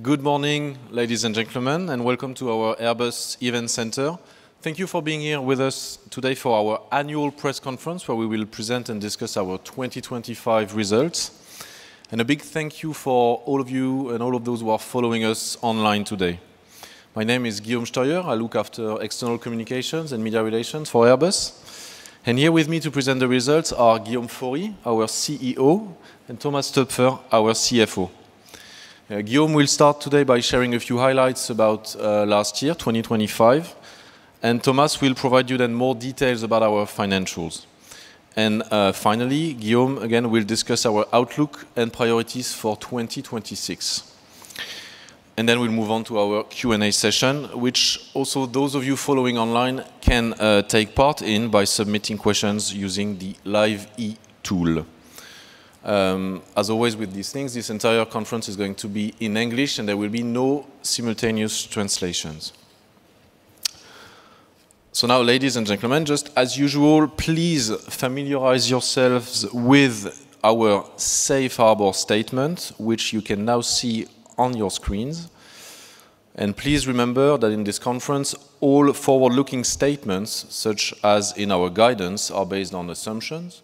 Good morning, ladies and gentlemen, and welcome to our Airbus Event Center. Thank you for being here with us today for our annual press conference, where we will Present and Discuss our 2025 Results. A big thank you for all of you and all of those who are following us online today. My name is Guillaume Steuer. I look after external communications and media relations for Airbus. Here with me to present the results are Guillaume Faury, our CEO, and Thomas Toepfer, our CFO. Guillaume will start today by sharing a few highlights about last year, 2025, and Thomas will provide you then more details about our financials. Finally, Guillaume, again, will discuss our outlook and priorities for 2026. And then we'll move on to our Q&A session, which also those of you following online can take part in by submitting questions using the LiveE tool. As always, with these things, this entire conference is going to be in English, and there will be no simultaneous translations. So now, ladies and gentlemen, just as usual, please familiarize yourselves with our safe harbor statement, which you can now see on your screens. Please remember that in this conference, all forward-looking statements, such as in our guidance, are based on assumptions,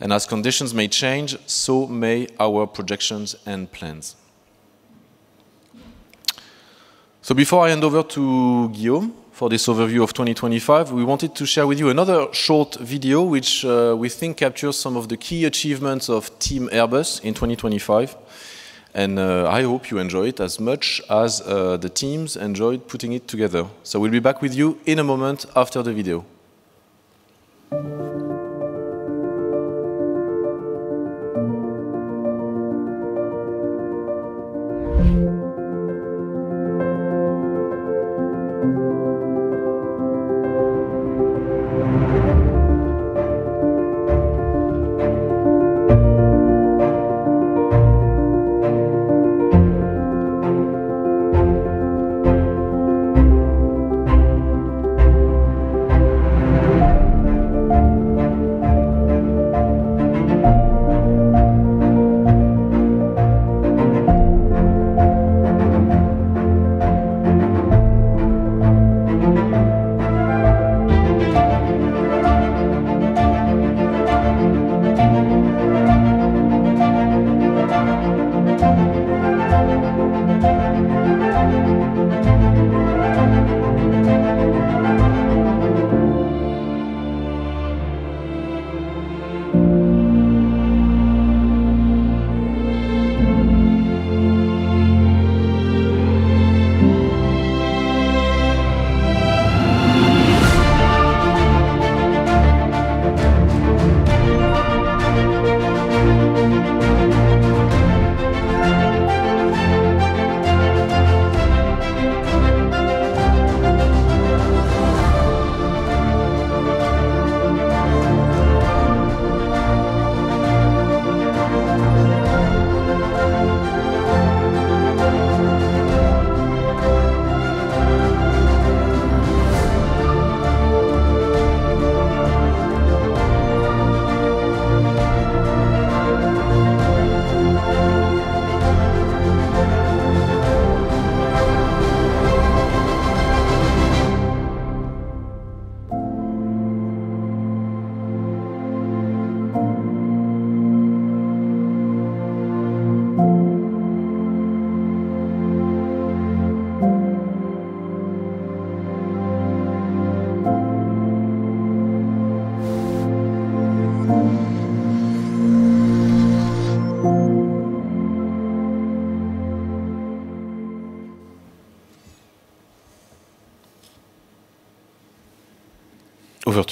and as conditions may change, so may our projections and plans. So before I hand over to Guillaume for this overview of 2025, we wanted to share with you another short video, which, we think captures some of the key achievements of Team Airbus in 2025, and, I hope you enjoy it as much as, the teams enjoyed putting it together. So we'll be back with you in a moment after the video. Over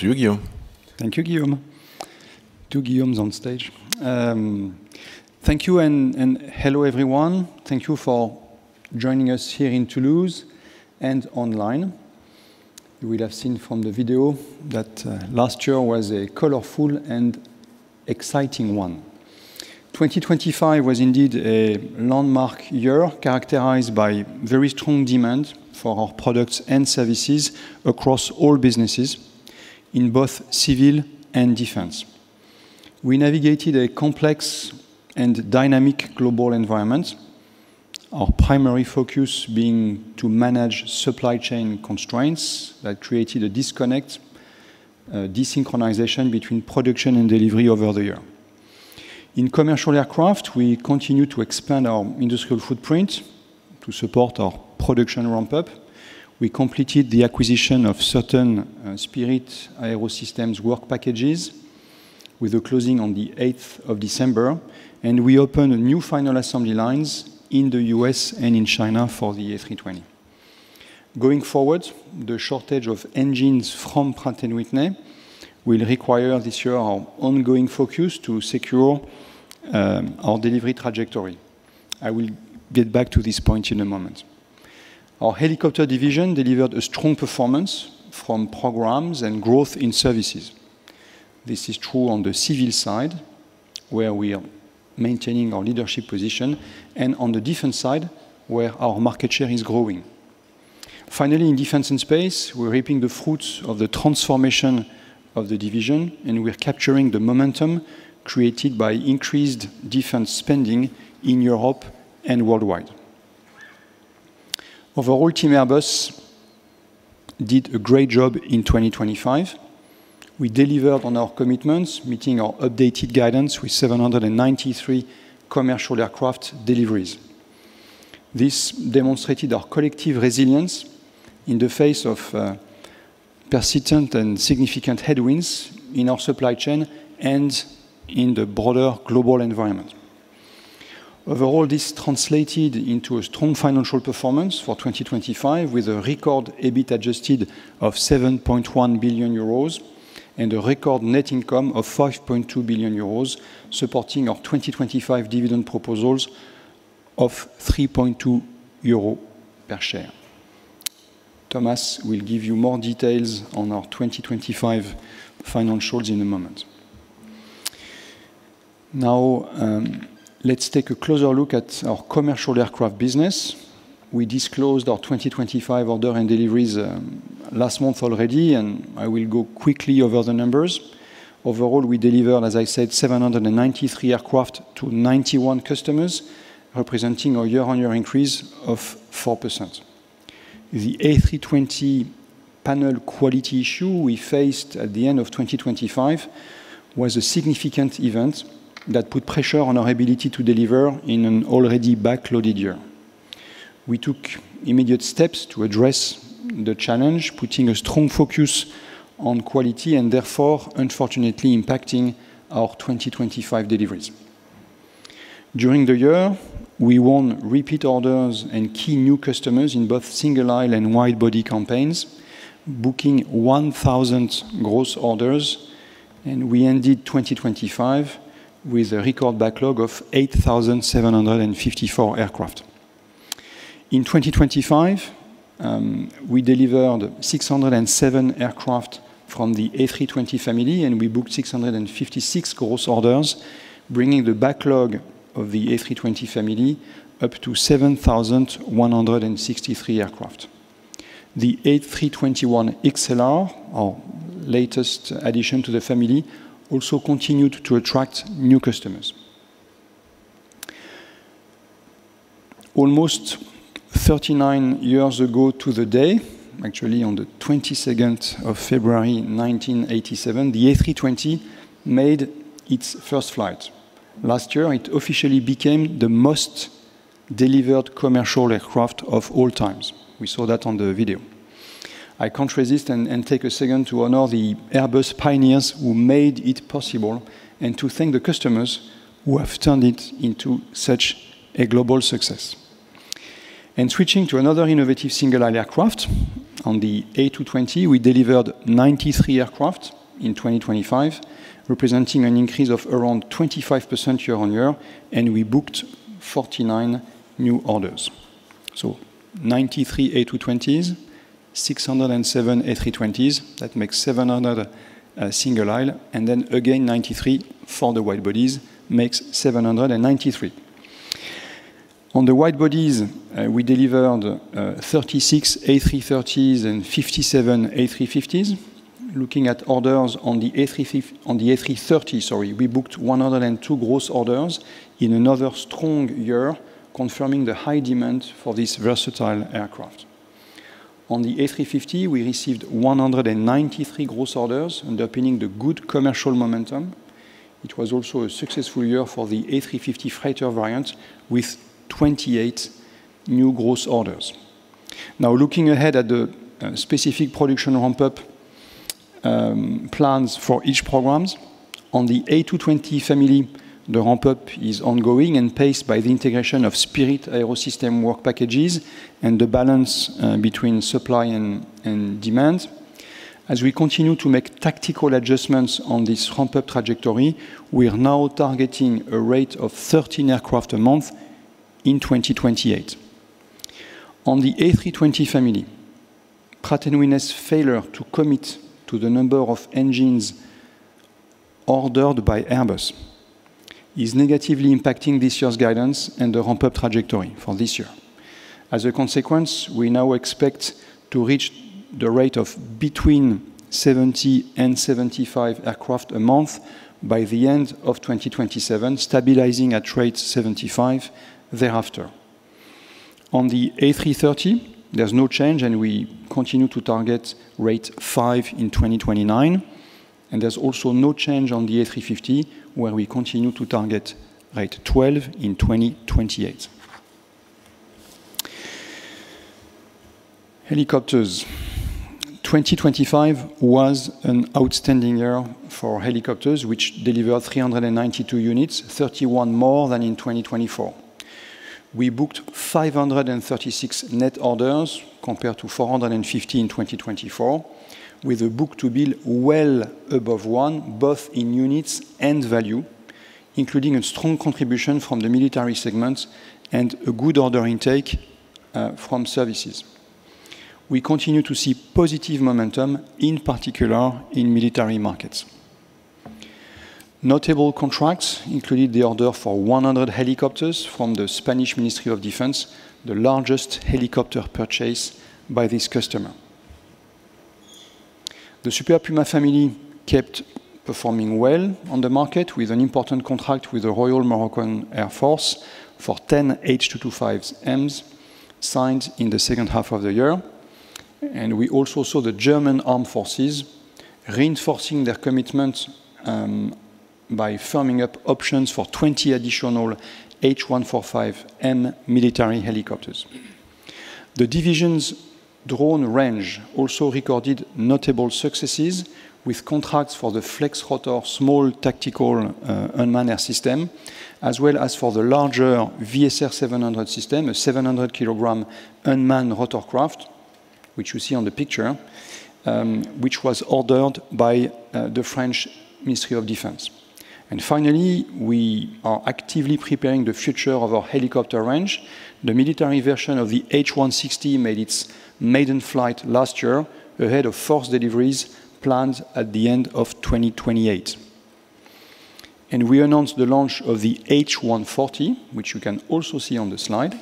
to you, Guillaume. Thank you, Guillaume. Two Guillaumes on stage. Thank you and, and hello, everyone. Thank you for joining us here in Toulouse and online. You will have seen from the video that last year was a colorful and exciting one. 2025 was indeed a landmark year, characterized by very strong demand for our products and services across all businesses in both civil and defense. We navigated a complex and dynamic global environment. Our primary focus being to manage supply chain constraints that created a disconnect, desynchronization between production and delivery over the year. In commercial aircraft, we continue to expand our industrial footprint to support our production ramp-up. We completed the acquisition of certain Spirit AeroSystems work packages, with the closing on the 8th of December, and we opened new final assembly lines in the U.S. and in China for the A320. Going forward, the shortage of engines from Pratt & Whitney will require, this year, our ongoing focus to secure our delivery trajectory. I will get back to this point in a moment. Our helicopter division delivered a strong performance from programs and growth in services. This is true on the civil side, where we are maintaining our leadership position, and on the different side, where our market share is growing. Finally, in defense and space, we're reaping the fruits of the transformation of the division, and we are capturing the momentum created by increased defense spending in Europe and worldwide. Overall, Team Airbus did a great job in 2025. We delivered on our commitments, meeting our updated guidance with 793 commercial aircraft deliveries. This demonstrated our collective resilience in the face of persistent and significant headwinds in our supply chain and in the broader global environment. Overall, this translated into a strong financial performance for 2025, with a record EBIT Adjusted of 7.1 billion euros and a record net income of 5.2 billion euros, supporting our 2025 dividend proposals of 3.2 euros per share. Thomas will give you more details on our 2025 financials in a moment. Now, let's take a closer look at our commercial aircraft business. We disclosed our 2025 order and deliveries last month already, and I will go quickly over the numbers. Overall, we delivered, as I said, 793 aircraft to 91 customers, representing a year-on-year increase of 4%. The A320 panel quality issue we faced at the end of 2025 was a significant event that put pressure on our ability to deliver in an already backloaded year. We took immediate steps to address the challenge, putting a strong focus on quality and therefore unfortunately impacting our 2025 deliveries. During the year, we won repeat orders and key new customers in both single aisle and wide-body campaigns, booking 1,000 gross orders, and we ended 2025 with a record backlog of 8,754 aircraft. In 2025, we delivered 607 aircraft from the A320 family, and we booked 656 gross orders, bringing the backlog of the A320 family up to 7,163 aircraft. The A321XLR, our latest addition to the family, also continued to attract new customers. Almost thirty-nine years ago to the day, actually, on the 22nd of February, 1987, the A320 made its first flight. Last year, it officially became the most delivered commercial aircraft of all times. We saw that on the video. I can't resist and take a second to honor the Airbus pioneers who made it possible and to thank the customers who have turned it into such a global success. And switching to another innovative single-aisle aircraft, on the A220, we delivered 93 aircraft in 2025, representing an increase of around 25% year-on-year, and we booked 49 new orders. So 93 A220s, 607 A320s, that makes 700, single aisle, and then again, 93 for the wide bodies, makes 793. On the wide bodies, we delivered, 36 A330s and 57 A350s. Looking at orders on the A350, on the A330, sorry, we booked 102 gross orders in another strong year, confirming the high demand for this versatile aircraft. On the A350, we received 193 gross orders, underpinning the good commercial momentum, which was also a successful year for the A350 freighter variant with 28 new gross orders. Now, looking ahead at the specific production ramp-up plans for each programs. On the A220 family, the ramp-up is ongoing and paced by the integration of Spirit AeroSystems work packages and the balance between supply and demand. As we continue to make tactical adjustments on this ramp-up trajectory, we are now targeting a rate of 13 aircraft a month in 2028. On the A320 family, Pratt & Whitney's failure to commit to the number of engines ordered by Airbus is negatively impacting this year's guidance and the ramp-up trajectory for this year. As a consequence, we now expect to reach the rate of between 70 and 75 aircraft a month by the end of 2027, stabilizing at rate 75 thereafter. On the A330, there's no change, and we continue to target rate five in 2029, and there's also no change on the A350, where we continue to target rate 12 in 2028. Helicopters. 2025 was an outstanding year for helicopters, which delivered 392 units, 31 more than in 2024. We booked 536 net orders, compared to 450 in 2024, with a book-to-bill well above one, both in units and value, including a strong contribution from the military segment and a good order intake from services. We continue to see positive momentum, in particular in military markets. Notable contracts included the order for 100 helicopters from the Spanish Ministry of Defense, the largest helicopter purchase by this customer. The Super Puma family kept performing well on the market with an important contract with the Royal Moroccan Air Force for 10 H225Ms, signed in the second half of the year. We also saw the German Armed Forces reinforcing their commitment by firming up options for 20 additional H145M military helicopters. The division's drone range also recorded notable successes with contracts for the Flexrotor small tactical unmanned air system, as well as for the larger VSR700 system, a 700-kg unmanned rotorcraft, which you see on the picture, which was ordered by the French Ministry of Defense. And finally, we are actively preparing the future of our helicopter range. The military version of the H160 made its maiden flight last year, ahead of first deliveries planned at the end of 2028. And we announced the launch of the H140, which you can also see on the slide,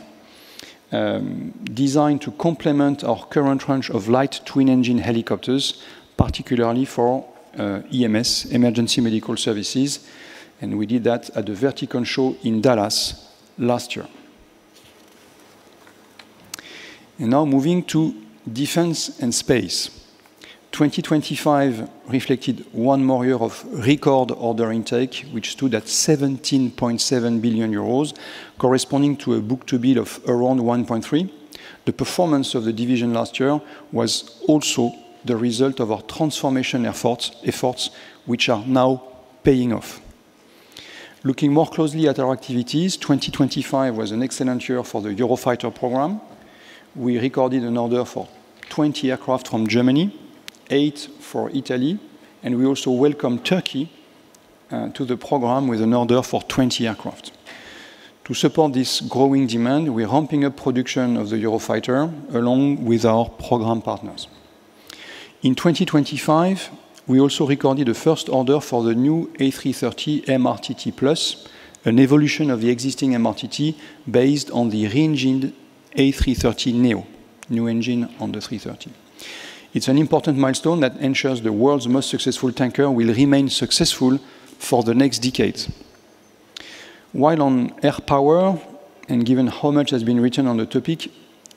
designed to complement our current range of light twin-engine helicopters, particularly for EMS, emergency medical services, and we did that at the Vertical Show in Dallas last year. And now moving to defense and space. 2025 reflected one more year of record order intake, which stood at 17.7 billion euros, corresponding to a book-to-bill of around 1.3. The performance of the division last year was also the result of our transformation efforts, efforts which are now paying off. Looking more closely at our activities, 2025 was an excellent year for the Eurofighter program. We recorded an order for 20 aircraft from Germany, eight for Italy, and we also welcomed Turkey to the program with an order for 20 aircraft. To support this growing demand, we're ramping up production of the Eurofighter along with our program partners. In 2025, we also recorded a first order for the new A330 MRTT Plus, an evolution of the existing MRTT, based on the re-engined A330neo, new engine on the 330. It's an important milestone that ensures the world's most successful tanker will remain successful for the next decades. While on air power, and given how much has been written on the topic,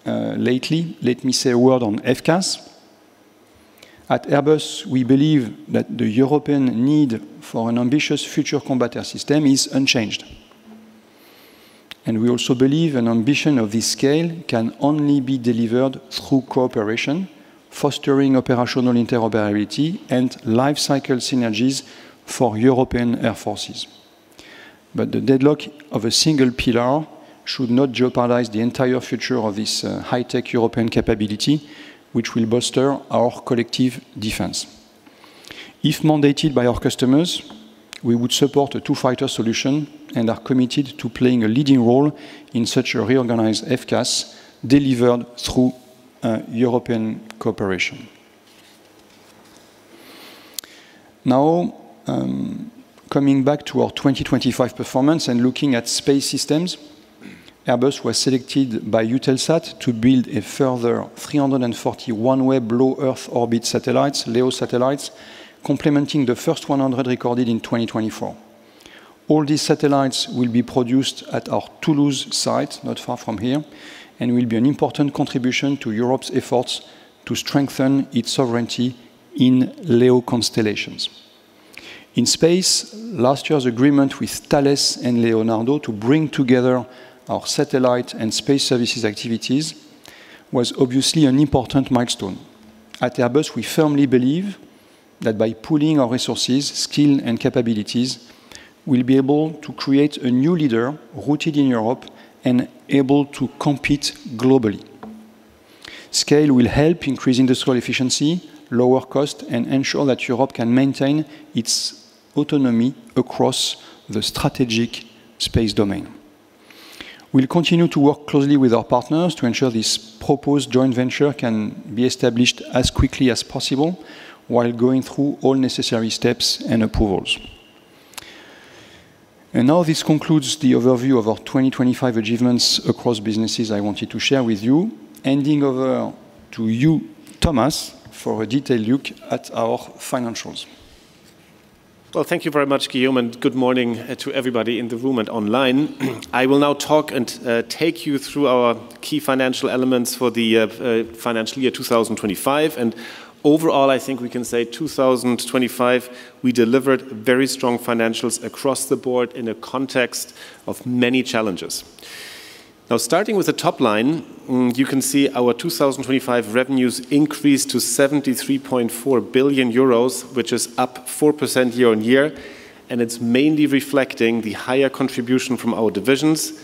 lately, let me say a word on FCAS. At Airbus, we believe that the European need for an ambitious future combat air system is unchanged. And we also believe an ambition of this scale can only be delivered through cooperation, fostering operational interoperability and life cycle synergies for European air forces. But the deadlock of a single pillar should not jeopardize the entire future of this, High-Tech European capability, which will bolster our collective defense. If mandated by our customers, we would support a two-fighter solution and are committed to playing a leading role in such a reorganized FCAS delivered through European cooperation. Now, coming back to our 2025 performance and looking at space systems, Airbus was selected by Eutelsat to build a further 341 LEO low Earth orbit satellites, LEO satellites, complementing the first 100 recorded in 2024. All these satellites will be produced at our Toulouse site, not far from here, and will be an important contribution to Europe's efforts to strengthen its sovereignty in LEO constellations. In space, last year's agreement with Thales and Leonardo to bring together our satellite and space services activities was obviously an important milestone. At Airbus, we firmly believe that by pooling our resources, skill, and capabilities, we'll be able to create a new leader rooted in Europe and able to compete globally. Scale will help increase industrial efficiency, lower cost, and ensure that Europe can maintain its autonomy across the strategic space domain. We'll continue to work closely with our partners to ensure this proposed joint venture can be established as quickly as possible while going through all necessary steps and approvals. Now, this concludes the overview of our 2025 achievements across businesses I wanted to share with you. Handing over to you, Thomas, for a detailed look at our financials. Well, thank you very much, Guillaume, and good morning to everybody in the room and online. I will now talk and take you through our key financial elements for the financial year 2025, and overall, I think we can say 2025, we delivered very strong financials across the board in a context of many challenges. Now, starting with the top line, you can see our 2025 revenues increased to 73.4 billion euros, which is up 4% year-on-year, and it's mainly reflecting the higher contribution from our divisions,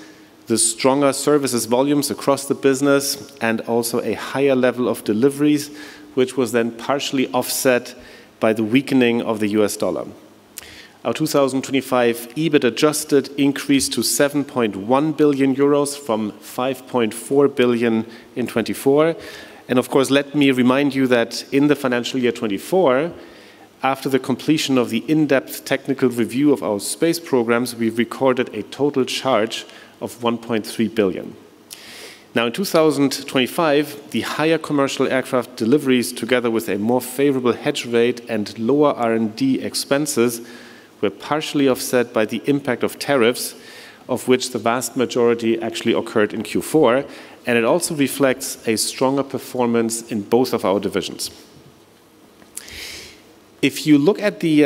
the stronger services volumes across the business, and also a higher level of deliveries, which was then partially offset by the weakening of the US dollar. Our 2025 EBIT Adjusted increased to 7.1 billion euros from 5.4 billion in 2024. Of course, let me remind you that in the financial year 2024, after the completion of the in-depth technical review of our space programs, we've recorded a total charge of 1.3 billion. Now, in 2025, the higher commercial aircraft deliveries, together with a more favorable hedge rate and lower R&D expenses, were partially offset by the impact of tariffs, of which the vast majority actually occurred in Q4, and it also reflects a stronger performance in both of our divisions. If you look at the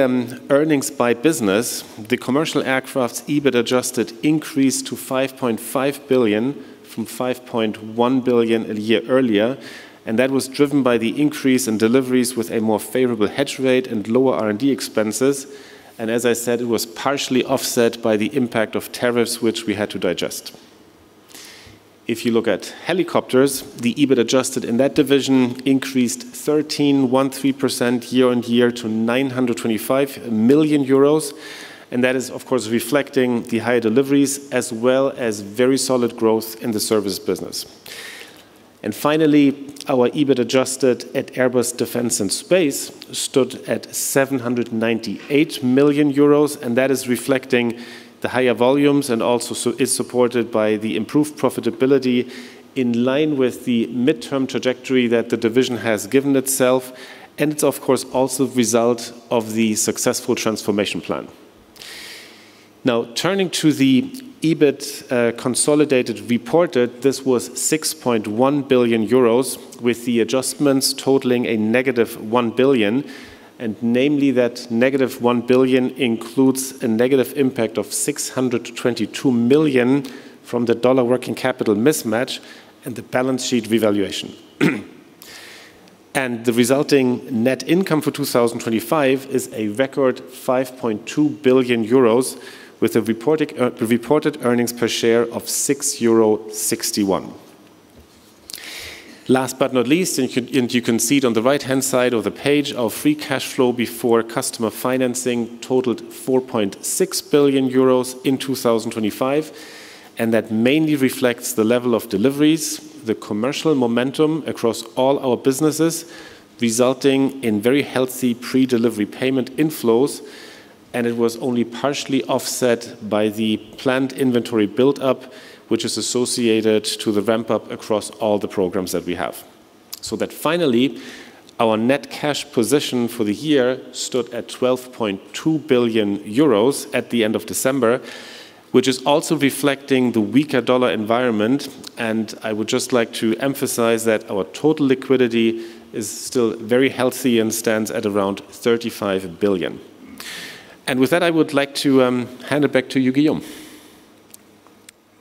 earnings by business, the commercial aircraft's EBIT Adjusted increased to 5.5 billion from 5.1 billion a year earlier, and that was driven by the increase in deliveries with a more favorable hedge rate and lower R&D expenses. As I said, it was partially offset by the impact of tariffs, which we had to digest. If you look at helicopters, the EBIT adjusted in that division increased 13.1% year-on-year to 925 million euros, and that is, of course, reflecting the higher deliveries as well as very solid growth in the service business. And finally, our EBIT adjusted at Airbus Defence and Space stood at 798 million euros, and that is reflecting the higher volumes and also is supported by the improved profitability in line with the mid-term trajectory that the division has given itself, and it's, of course, also a result of the successful transformation plan. Now, turning to the EBIT consolidated reported, this was 6.1 billion euros, with the adjustments totaling a negative 1 billion, and namely, that negative 1 billion includes a negative impact of 622 million from the dollar working capital mismatch and the balance sheet revaluation. And the resulting net income for 2025 is a record 5.2 billion euros, with a reported reported earnings per share of 6.61 euro. Last but not least, and you can see it on the right-hand side of the page, our free cash flow before customer financing totaled 4.6 billion euros in 2025, and that mainly reflects the level of deliveries, the commercial momentum across all our businesses, resulting in very healthy pre-delivery payment inflows, and it was only partially offset by the planned inventory build-up, which is associated to the ramp-up across all the programs that we have. So that finally, our net cash position for the year stood at 12.2 billion euros at the end of December, which is also reflecting the weaker U.S. dollar environment, and I would just like to emphasize that our total liquidity is still very healthy and stands at around 35 billion. And with that, I would like to hand it back to you, Guillaume.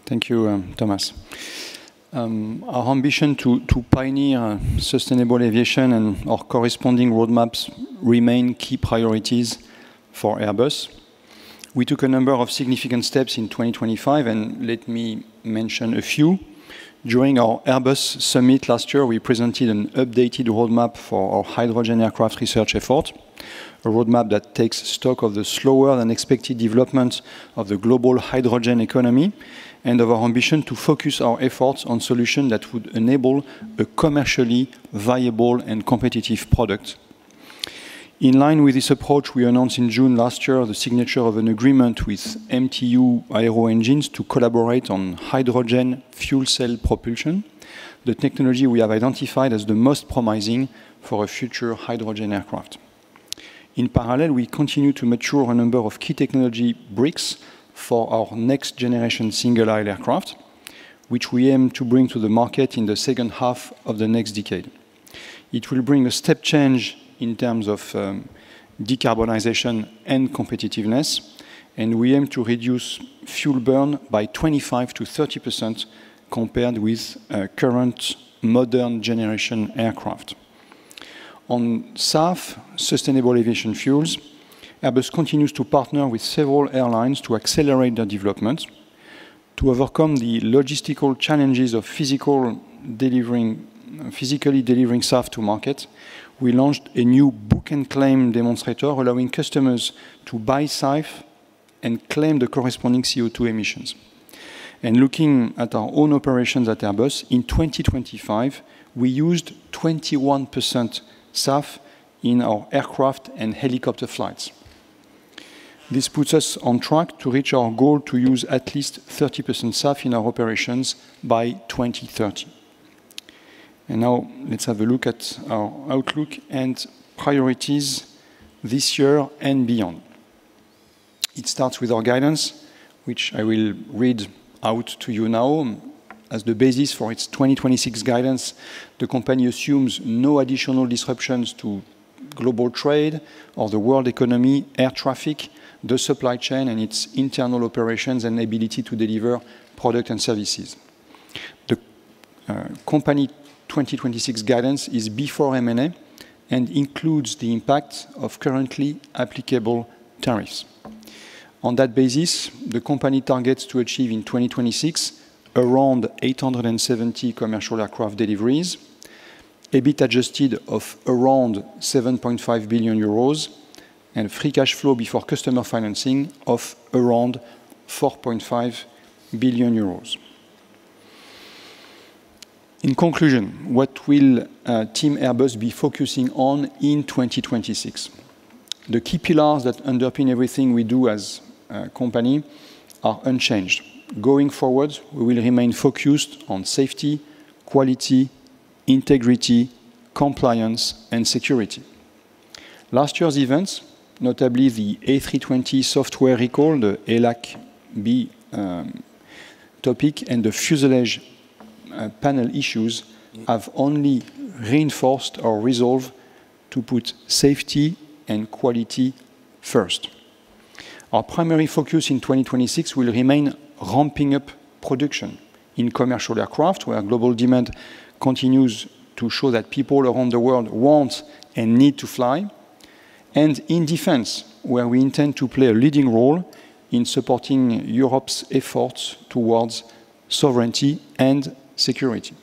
Thank you, Thomas. Our ambition to pioneer sustainable aviation and our corresponding roadmaps remain key priorities for Airbus. We took a number of significant steps in 2025, and let me mention a few. During our Airbus Summit last year, we presented an updated roadmap for our hydrogen aircraft research effort, a roadmap that takes stock of the slower-than-expected development of the global hydrogen economy and of our ambition to focus our efforts on solution that would enable a commercially viable and competitive product. In line with this approach, we announced in June last year, the signature of an agreement with MTU Aero Engines to collaborate on hydrogen fuel cell propulsion, the technology we have identified as the most promising for a future hydrogen aircraft. In parallel, we continue to mature a number of key technology bricks for our next-generation single-aisle aircraft, which we aim to bring to the market in the second half of the next decade. It will bring a step change in terms of decarbonization and competitiveness, and we aim to reduce fuel burn by 25%-30% compared with current modern generation aircraft. On SAF, Sustainable Aviation Fuels, Airbus continues to partner with several airlines to accelerate their development. To overcome the logistical challenges of physically delivering SAF to market, we launched a new book-and-claim demonstrator, allowing customers to buy SAF and claim the corresponding CO2 emissions. Looking at our own operations at Airbus, in 2025, we used 21% SAF in our aircraft and helicopter flights. This puts us on track to reach our goal to use at least 30% SAF in our operations by 2030. Now let's have a look at our outlook and priorities this year and beyond. It starts with our guidance, which I will read out to you now. As the basis for its 2026 guidance, the company assumes no additional disruptions to global trade or the world economy, air traffic, the supply chain, and its internal operations and ability to deliver product and services. The company 2026 guidance is before M&A and includes the impact of currently applicable tariffs. On that basis, the company targets to achieve in 2026 around 870 commercial aircraft deliveries, EBIT Adjusted of around 7.5 billion euros, and free cash flow before customer financing of around 4.5 billion euros... In conclusion, what will Team Airbus be focusing on in 2026? The key pillars that underpin everything we do as a company are unchanged. Going forward, we will remain focused on safety, quality, integrity, compliance, and security. Last year's events, notably the A320 software recall, the A-Lack B topic, and the fuselage panel issues, have only reinforced our resolve to put safety and quality first. Our primary focus in 2026 will remain ramping up production in commercial aircraft, where global demand continues to show that people around the world want and need to fly, and in defense, where we intend to play a leading role in supporting Europe's efforts towards sovereignty and security.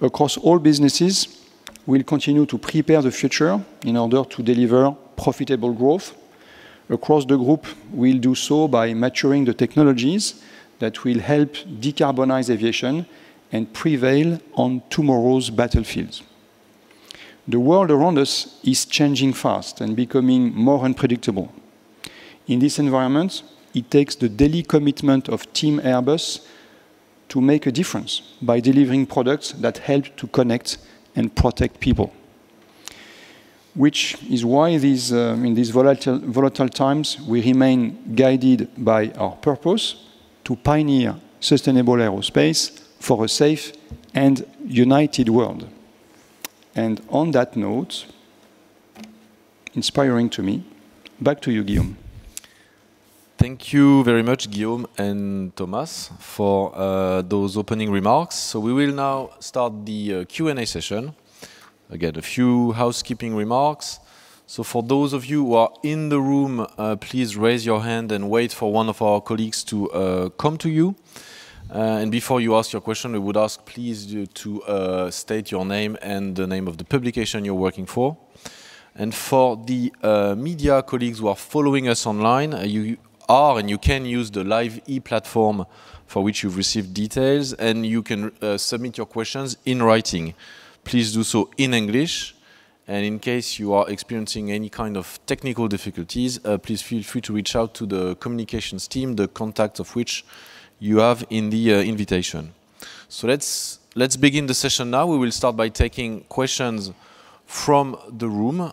Across all businesses, we'll continue to prepare the future in order to deliver profitable growth. Across the group, we'll do so by maturing the technologies that will help decarbonize aviation and prevail on tomorrow's battlefields. The world around us is changing fast and becoming more unpredictable. In this environment, it takes the daily commitment of Team Airbus to make a difference by delivering products that help to connect and protect people. Which is why, in these volatile times, we remain guided by our purpose to pioneer sustainable aerospace for a safe and united world. On that note, inspiring to me, back to you, Guillaume. Thank you very much, Guillaume and Thomas, for those opening remarks. So we will now start the Q&A session. Again, a few housekeeping remarks. So for those of you who are in the room, please raise your hand and wait for one of our colleagues to come to you. And before you ask your question, we would ask, please, you to state your name and the name of the publication you're working for. And for the media colleagues who are following us online, you are, and you can use the live e-platform for which you've received details, and you can submit your questions in writing. Please do so in English, and in case you are experiencing any kind of technical difficulties, please feel free to reach out to the communications team, the contact of which you have in the invitation. So let's, let's begin the session now. We will start by taking questions from the room,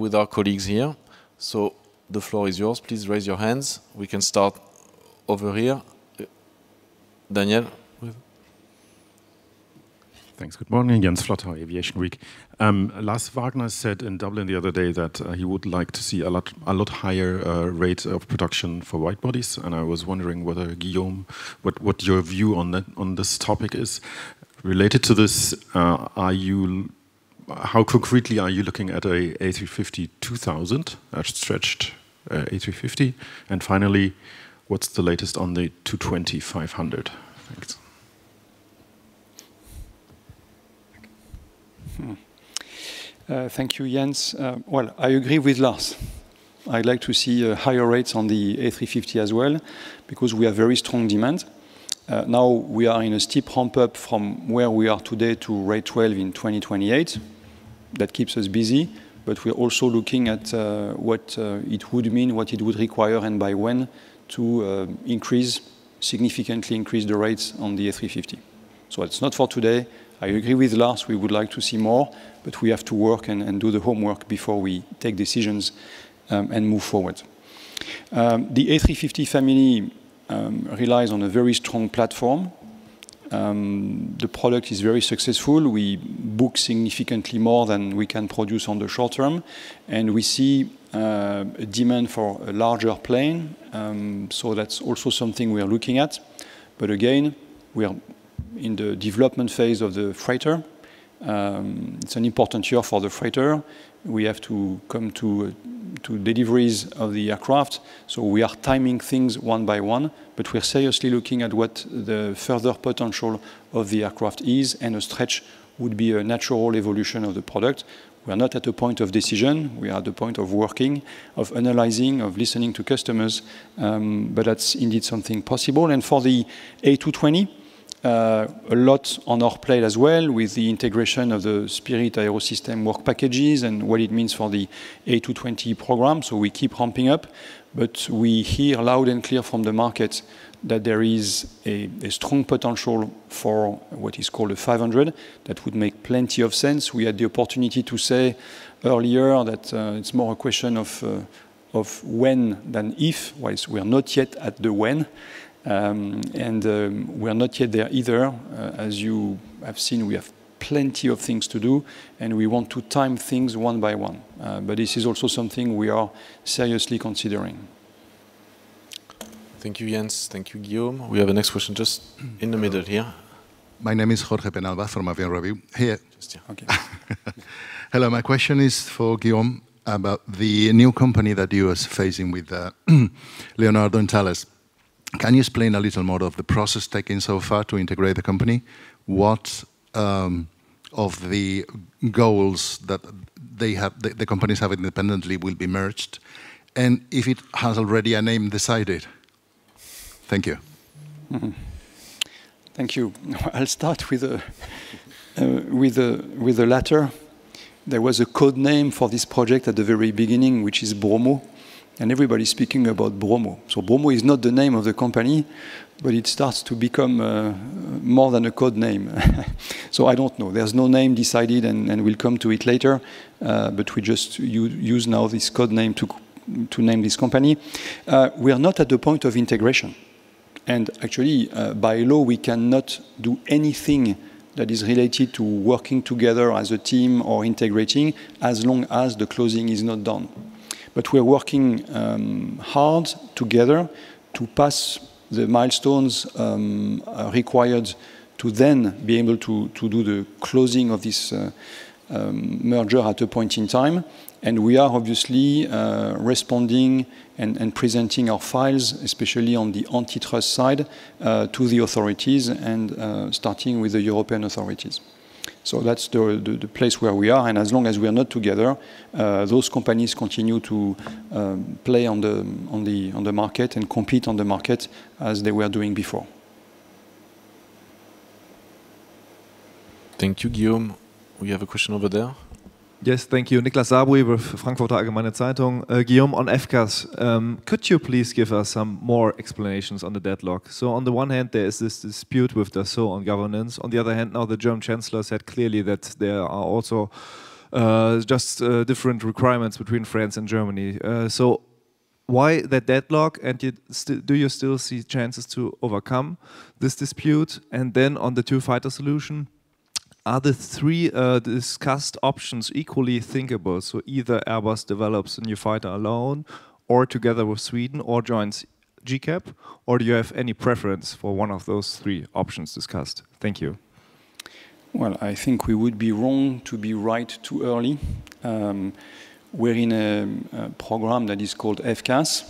with our colleagues here. So the floor is yours. Please raise your hands. We can start over here. Daniel? Thanks. Good morning, Jens Flottau, Aviation Week. Lars Wagner said in Dublin the other day that he would like to see a lot, a lot higher rate of production for wide-bodies, and I was wondering whether, Guillaume, what your view on that, on this topic is. Related to this, are you—how concretely are you looking at a A350-2000, a stretched A350? And finally, what's the latest on the 2500? Thanks. Thank you, Jens. Well, I agree with Lars. I'd like to see higher rates on the A350 as well, because we have very strong demand. Now we are in a steep hump up from where we are today to rate 12 in 2028. That keeps us busy, but we're also looking at what it would mean, what it would require, and by when to increase, significantly increase the rates on the A350. So it's not for today. I agree with Lars, we would like to see more, but we have to work and do the homework before we take decisions and move forward. The A350 family relies on a very strong platform. The product is very successful. We book significantly more than we can produce on the short term, and we see a demand for a larger plane. So that's also something we are looking at. But again, we are in the development phase of the freighter. It's an important year for the freighter. We have to come to deliveries of the aircraft, so we are timing things one by one, but we're seriously looking at what the further potential of the aircraft is, and a stretch would be a natural evolution of the product. We are not at a point of decision. We are at the point of working, of analyzing, of listening to customers, but that's indeed something possible. For the A220, a lot on our plate as well with the integration of the Spirit AeroSystems work packages and what it means for the A220 program, so we keep humping up. But we hear loud and clear from the market that there is a strong potential for what is called a 500. That would make plenty of sense. We had the opportunity to say earlier that, it's more a question of when than if. Whilst we are not yet at the when, and we are not yet there either. As you have seen, we have plenty of things to do, and we want to time things one by one. But this is also something we are seriously considering. Thank you, Jens. Thank you, Guillaume. We have the next question just in the middle here. My name is Jorge Peñalba from Avion Revue. Here- Just here. Okay. Hello, my question is for Guillaume about the new company that you are facing with, Leonardo and Thales. Can you explain a little more of the process taken so far to integrate the company? What of the goals that they have, the, the companies have independently, will be merged, and if it has already a name decided? Thank you. Thank you. I'll start with the latter. There was a code name for this project at the very beginning, which is Bromo, and everybody's speaking about Bromo. So Bromo is not the name of the company, but it starts to become more than a code name. So I don't know. There's no name decided, and we'll come to it later, but we just use now this code name to name this company. We are not at the point of integration, and actually, by law, we cannot do anything that is related to working together as a team or integrating as long as the closing is not done. But we're working hard together to pass the milestones required to then be able to to do the closing of this merger at a point in time. And we are obviously responding and presenting our files, especially on the antitrust side, to the authorities and starting with the European authorities. So that's the place where we are, and as long as we are not together, those companies continue to play on the market and compete on the market as they were doing before. Thank you, Guillaume. We have a question over there. Yes, thank you. Niklas Záboji with Frankfurter Allgemeine Zeitung. Guillaume, on FCAS, could you please give us some more explanations on the deadlock? So on the one hand, there is this dispute with Dassault on governance. On the other hand, now the German chancellor said clearly that there are also just different requirements between France and Germany. So why the deadlock, and do you still see chances to overcome this dispute? And then on the two fighter solution, are the three discussed options equally thinkable, so either Airbus develops a new fighter alone or together with Sweden or joins GCAP, or do you have any preference for one of those three options discussed? Thank you. Well, I think we would be wrong to be right too early. We're in a program that is called FCAS.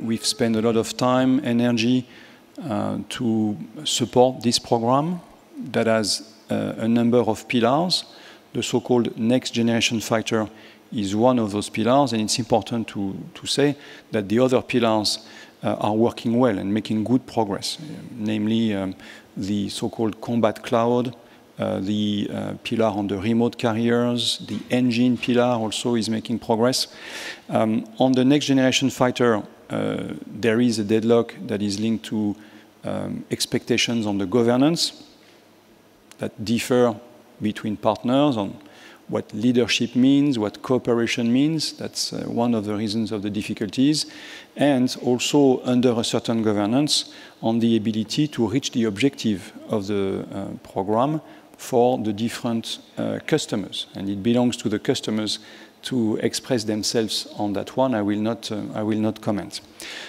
We've spent a lot of time, energy, to support this program that has a number of pillars. The so-called next generation fighter is one of those pillars, and it's important to say that the other pillars are working well and making good progress, namely, the so-called combat cloud, the pillar on the remote carriers. The engine pillar also is making progress. On the next generation fighter, there is a deadlock that is linked to expectations on the governance that differ between partners on what leadership means, what cooperation means. That's one of the reasons of the difficulties, and also under a certain governance, on the ability to reach the objective of the program for the different customers, and it belongs to the customers to express themselves on that one. I will not comment.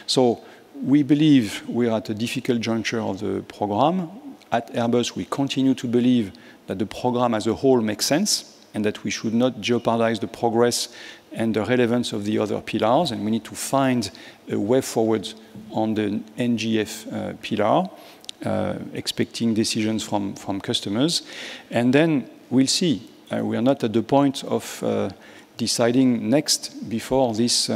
So we believe we are at a difficult juncture of the program. At Airbus, we continue to believe that the program as a whole makes sense and that we should not jeopardize the progress and the relevance of the other pillars, and we need to find a way forward on the NGF pillar, expecting decisions from customers. And then we'll see. We are not at the point of deciding next before this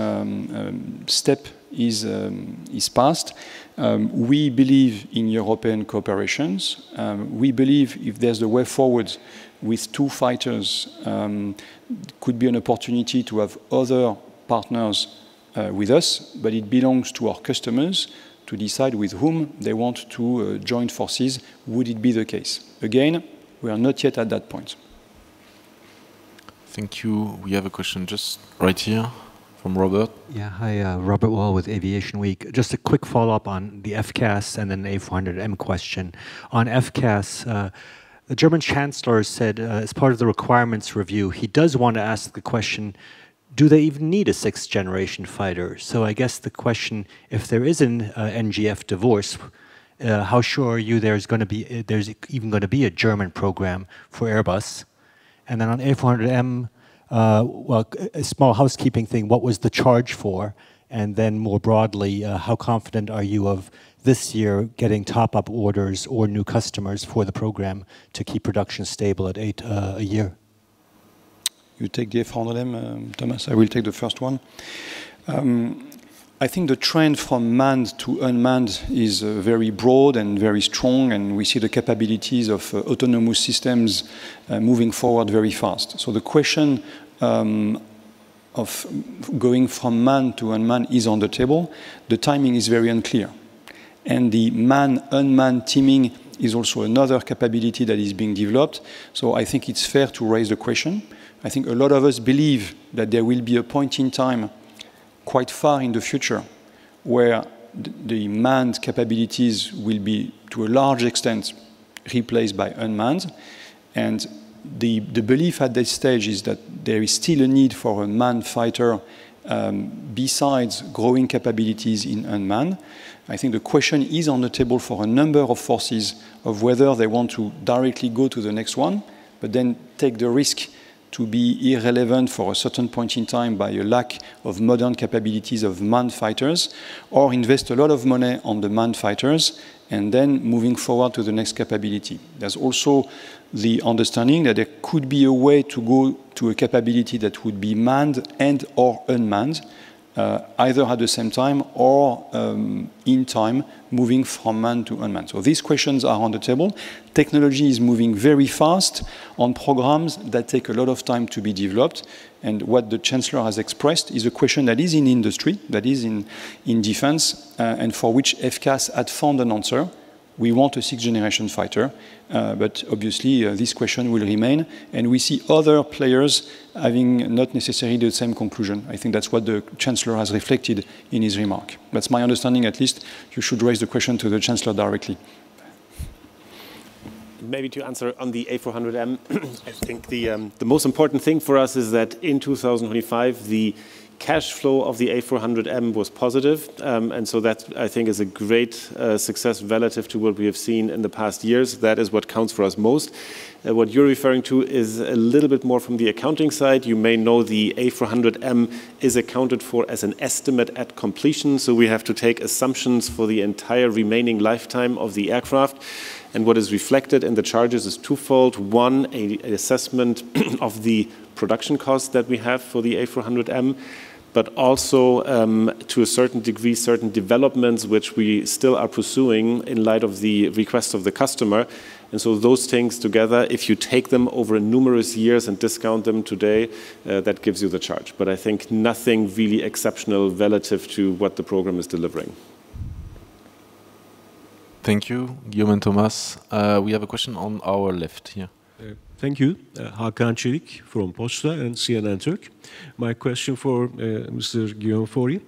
step is passed. We believe in European cooperations. We believe if there's a way forward with two fighters, could be an opportunity to have other partners with us, but it belongs to our customers to decide with whom they want to join forces, would it be the case. Again, we are not yet at that point. Thank you. We have a question just right here from Robert. Yeah. Hi, Robert Wall with Aviation Week. Just a quick follow-up on the FCAS and then A400M question. On FCAS, the German chancellor said, as part of the requirements review, he does want to ask the question: do they even need a sixth-generation fighter? So I guess the question, if there is an NGF divorce, how sure are you there's gonna be a... there's even gonna be a German program for Airbus? And then on A400M, well, a small housekeeping thing, what was the charge for, and then more broadly, how confident are you of this year getting top-up orders or new customers for the program to keep production stable at 8 a year? You take the A400M, Thomas, I will take the first one. I think the trend from manned to unmanned is very broad and very strong, and we see the capabilities of autonomous systems moving forward very fast. So the question of going from manned to unmanned is on the table. The timing is very unclear, and the manned/unmanned teaming is also another capability that is being developed, so I think it's fair to raise the question. I think a lot of us believe that there will be a point in time, quite far in the future, where the manned capabilities will be, to a large extent, replaced by unmanned. And the belief at this stage is that there is still a need for a manned fighter, besides growing capabilities in unmanned. I think the question is on the table for a number of forces of whether they want to directly go to the next one, but then take the risk to be irrelevant for a certain point in time by a lack of modern capabilities of manned fighters, or invest a lot of money on the manned fighters and then moving forward to the next capability. There's also the understanding that there could be a way to go to a capability that would be manned and/or unmanned, either at the same time or, in time, moving from manned to unmanned. So these questions are on the table. Technology is moving very fast on programs that take a lot of time to be developed, and what the chancellor has expressed is a question that is in industry, that is in defense, and for which FCAS had found an answer. We want a sixth generation fighter, but obviously, this question will remain, and we see other players having not necessarily the same conclusion. I think that's what the chancellor has reflected in his remark. That's my understanding at least. You should raise the question to the chancellor directly. Maybe to answer on the A400M, I think the most important thing for us is that in 2025, the cash flow of the A400M was positive. And so that, I think, is a great success relative to what we have seen in the past years. That is what counts for us most. What you're referring to is a little bit more from the accounting side. You may know the A400M is accounted for as an Estimate at Completion, so we have to take assumptions for the entire remaining lifetime of the aircraft, and what is reflected in the charges is twofold. One, an assessment of the production cost that we have for the A400M, but also, to a certain degree, certain developments which we still are pursuing in light of the request of the customer. And so those things together, if you take them over numerous years and discount them today, that gives you the charge. But I think nothing really exceptional relative to what the program is delivering. Thank you, Guillaume and Thomas. We have a question on our left here. Thank you. Hakan Çelik from Posta and CNN Turk. My question for Mr. Guillaume Faury.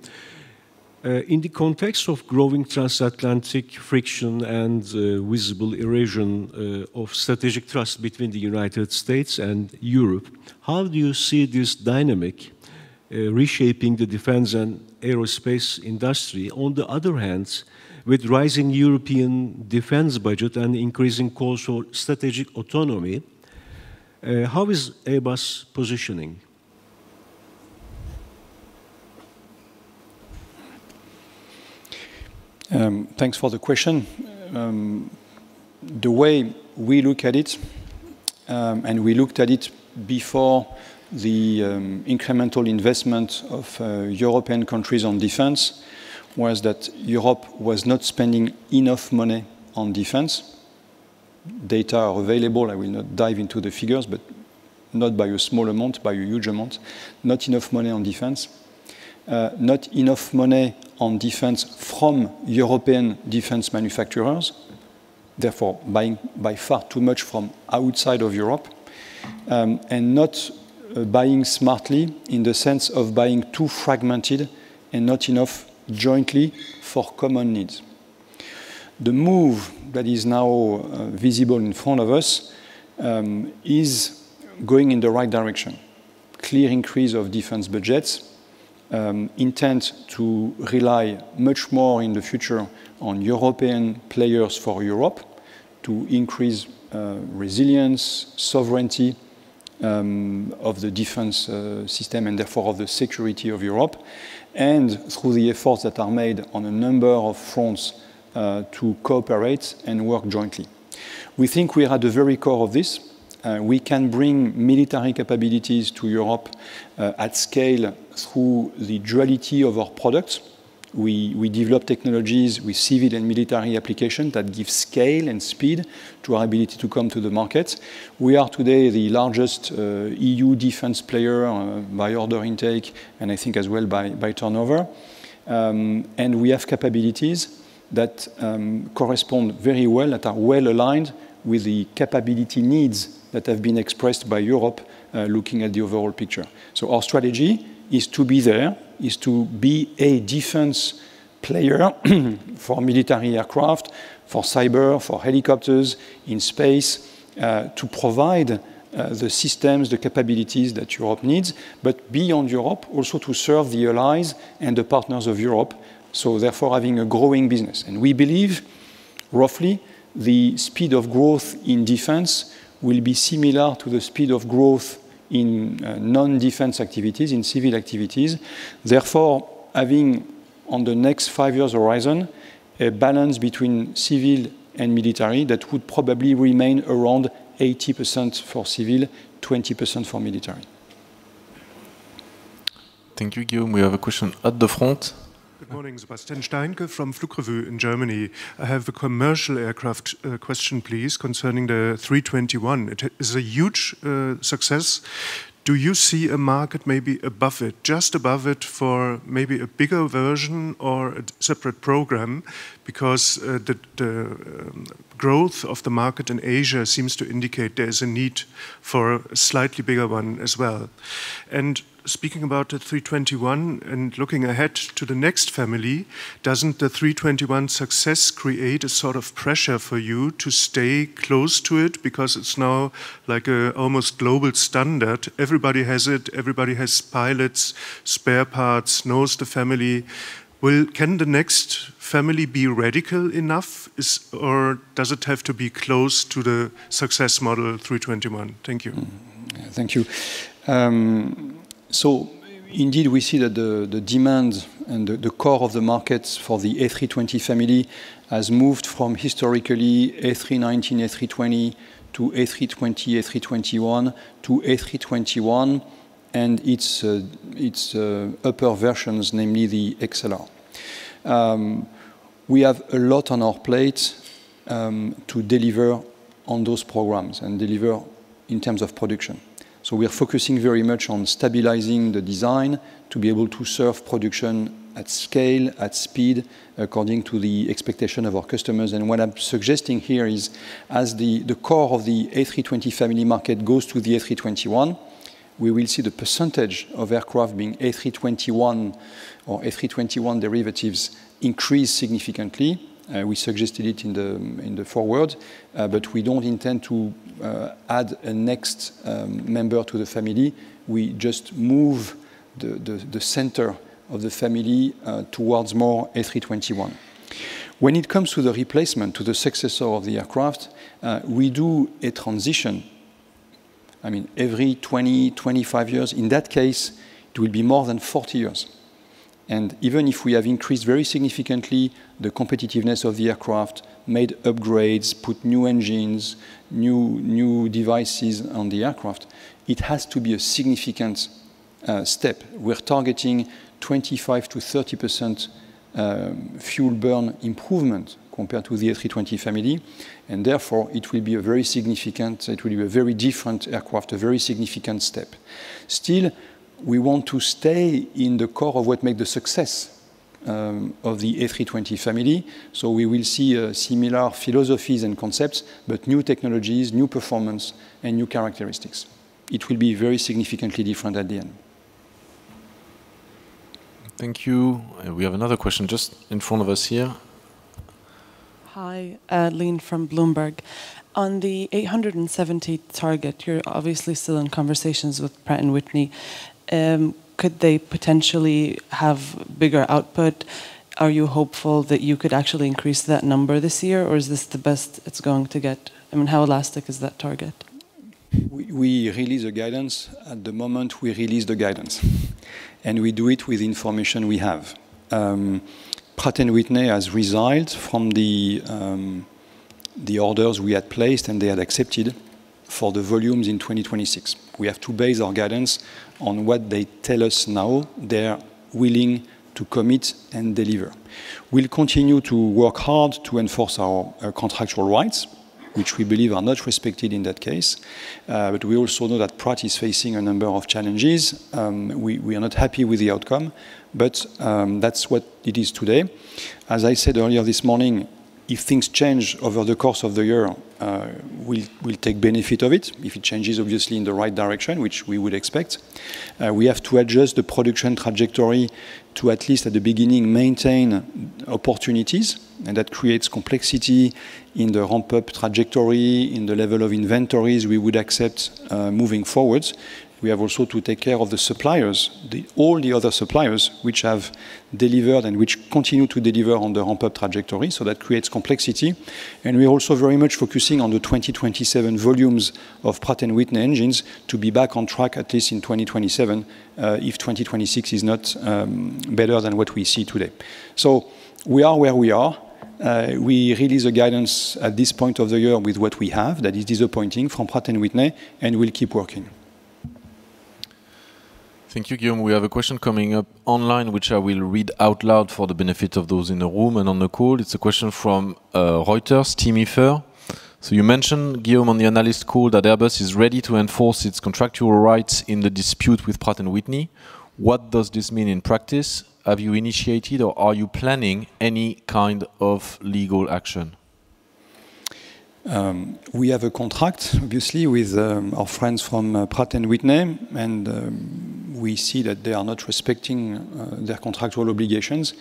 In the context of growing transatlantic friction and visible erosion of strategic trust between the United States and Europe, how do you see this dynamic reshaping the defense and aerospace industry? On the other hand, with rising European defense budget and increasing calls for strategic autonomy, how is Airbus positioning? Thanks for the question. The way we look at it, and we looked at it before the incremental investment of European countries on defense, was that Europe was not spending enough money on defense. Data are available, I will not dive into the figures, but not by a small amount, by a huge amount. Not enough money on defense. Not enough money on defense from European defense manufacturers, therefore buying by far too much from outside of Europe, and not buying smartly in the sense of buying too fragmented and not enough jointly for common needs. The move that is now visible in front of us is going in the right direction. Clear increase of defense budgets, intent to rely much more in the future on European players for Europe to increase resilience, sovereignty, of the defense system and therefore, of the security of Europe, and through the efforts that are made on a number of fronts to cooperate and work jointly. We think we are at the very core of this. We can bring military capabilities to Europe at scale through the duality of our products. We develop technologies with civil and military application that give scale and speed to our ability to come to the market. We are today the largest EU defense player by order intake, and I think as well by turnover. We have capabilities that correspond very well, that are well-aligned with the capability needs that have been expressed by Europe, looking at the overall picture. So our strategy is to be there, is to be a defense player, for military aircraft, for cyber, for helicopters in space, to provide the systems, the capabilities that Europe needs, but beyond Europe, also to serve the allies and the partners of Europe, so therefore, having a growing business. And we believe, roughly, the speed of growth in defense will be similar to the speed of growth in non-defense activities, in civil activities. Therefore, having on the next five years horizon, a balance between civil and military, that would probably remain around 80% for civil, 20% for military. Thank you, Guillaume. We have a question at the front. Good morning. Sebastian Steinke from Flug Revue in Germany. I have a commercial aircraft question, please, concerning the 321. It is a huge success. Do you see a market maybe above it, just above it, for maybe a bigger version or a separate program? Because the growth of the market in Asia seems to indicate there's a need for a slightly bigger one as well. Speaking about the 321 and looking ahead to the next family, doesn't the 321 success create a sort of pressure for you to stay close to it because it's now like almost a global standard? Everybody has it, everybody has pilots, spare parts, knows the family. Can the next family be radical enough, or does it have to be close to the success model 321? Thank you. Thank you. So indeed, we see that the demand and the core of the markets for the A320 family has moved from historically A319, A320-A320, A321-A321, and its upper versions, namely the XLR. We have a lot on our plate to deliver on those programs and deliver in terms of production. So we are focusing very much on stabilizing the design to be able to serve production at scale, at speed, according to the expectation of our customers. And what I'm suggesting here is, as the core of the A320 family market goes to the A321, we will see the percentage of aircraft being A321 or A321 derivatives increase significantly. We suggested it in the forward, but we don't intend to add a next member to the family. We just move the the center of the family towards more A321. When it comes to the replacement, to the successor of the aircraft, we do a transition, I mean, every 20-25 years. In that case, it will be more than 40 years. And even if we have increased very significantly the competitiveness of the aircraft, made upgrades, put new engines, new devices on the aircraft, it has to be a significant step. We're targeting 25%-30% fuel burn improvement compared to the A320 family, and therefore, it will be a very significant. It will be a very different aircraft, a very significant step. Still, we want to stay in the core of what made the success of the A320 family. So we will see similar philosophies and concepts, but new technologies, new performance, and new characteristics. It will be very significantly different at the end. Thank you. We have another question just in front of us here. Hi, Lynn from Bloomberg. On the 870 target, you're obviously still in conversations with Pratt & Whitney. Could they potentially have bigger output? Are you hopeful that you could actually increase that number this year, or is this the best it's going to get? I mean, how elastic is that target? We release the guidance at the moment we release the guidance, and we do it with information we have. Pratt & Whitney has resigned from the orders we had placed, and they had accepted for the volumes in 2026. We have to base our guidance on what they tell us now they're willing to commit and deliver. We'll continue to work hard to enforce our contractual rights, which we believe are not respected in that case. But we also know that Pratt is facing a number of challenges. We are not happy with the outcome, but that's what it is today. As I said earlier this morning, if things change over the course of the year, we'll take benefit of it. If it changes, obviously, in the right direction, which we would expect. We have to adjust the production trajectory to, at least at the beginning, maintain opportunities, and that creates complexity in the ramp-up trajectory, in the level of inventories we would accept, moving forwards. We have also to take care of the suppliers, the, all the other suppliers which have delivered and which continue to deliver on the ramp-up trajectory, so that creates complexity. And we're also very much focusing on the 2027 volumes of Pratt & Whitney engines to be back on track, at least in 2027, if 2026 is not better than what we see today. So we are where we are. We release the guidance at this point of the year with what we have. That is disappointing from Pratt & Whitney, and we'll keep working. Thank you, Guillaume. We have a question coming up online, which I will read out loud for the benefit of those in the room and on the call. It's a question from Reuters, Tim Hepher. So you mentioned, Guillaume, on the analyst call that Airbus is ready to enforce its contractual rights in the dispute with Pratt & Whitney. What does this mean in practice? Have you initiated, or are you planning any kind of legal action? We have a contract, obviously, with our friends from Pratt & Whitney, and we see that they are not respecting their contractual obligations,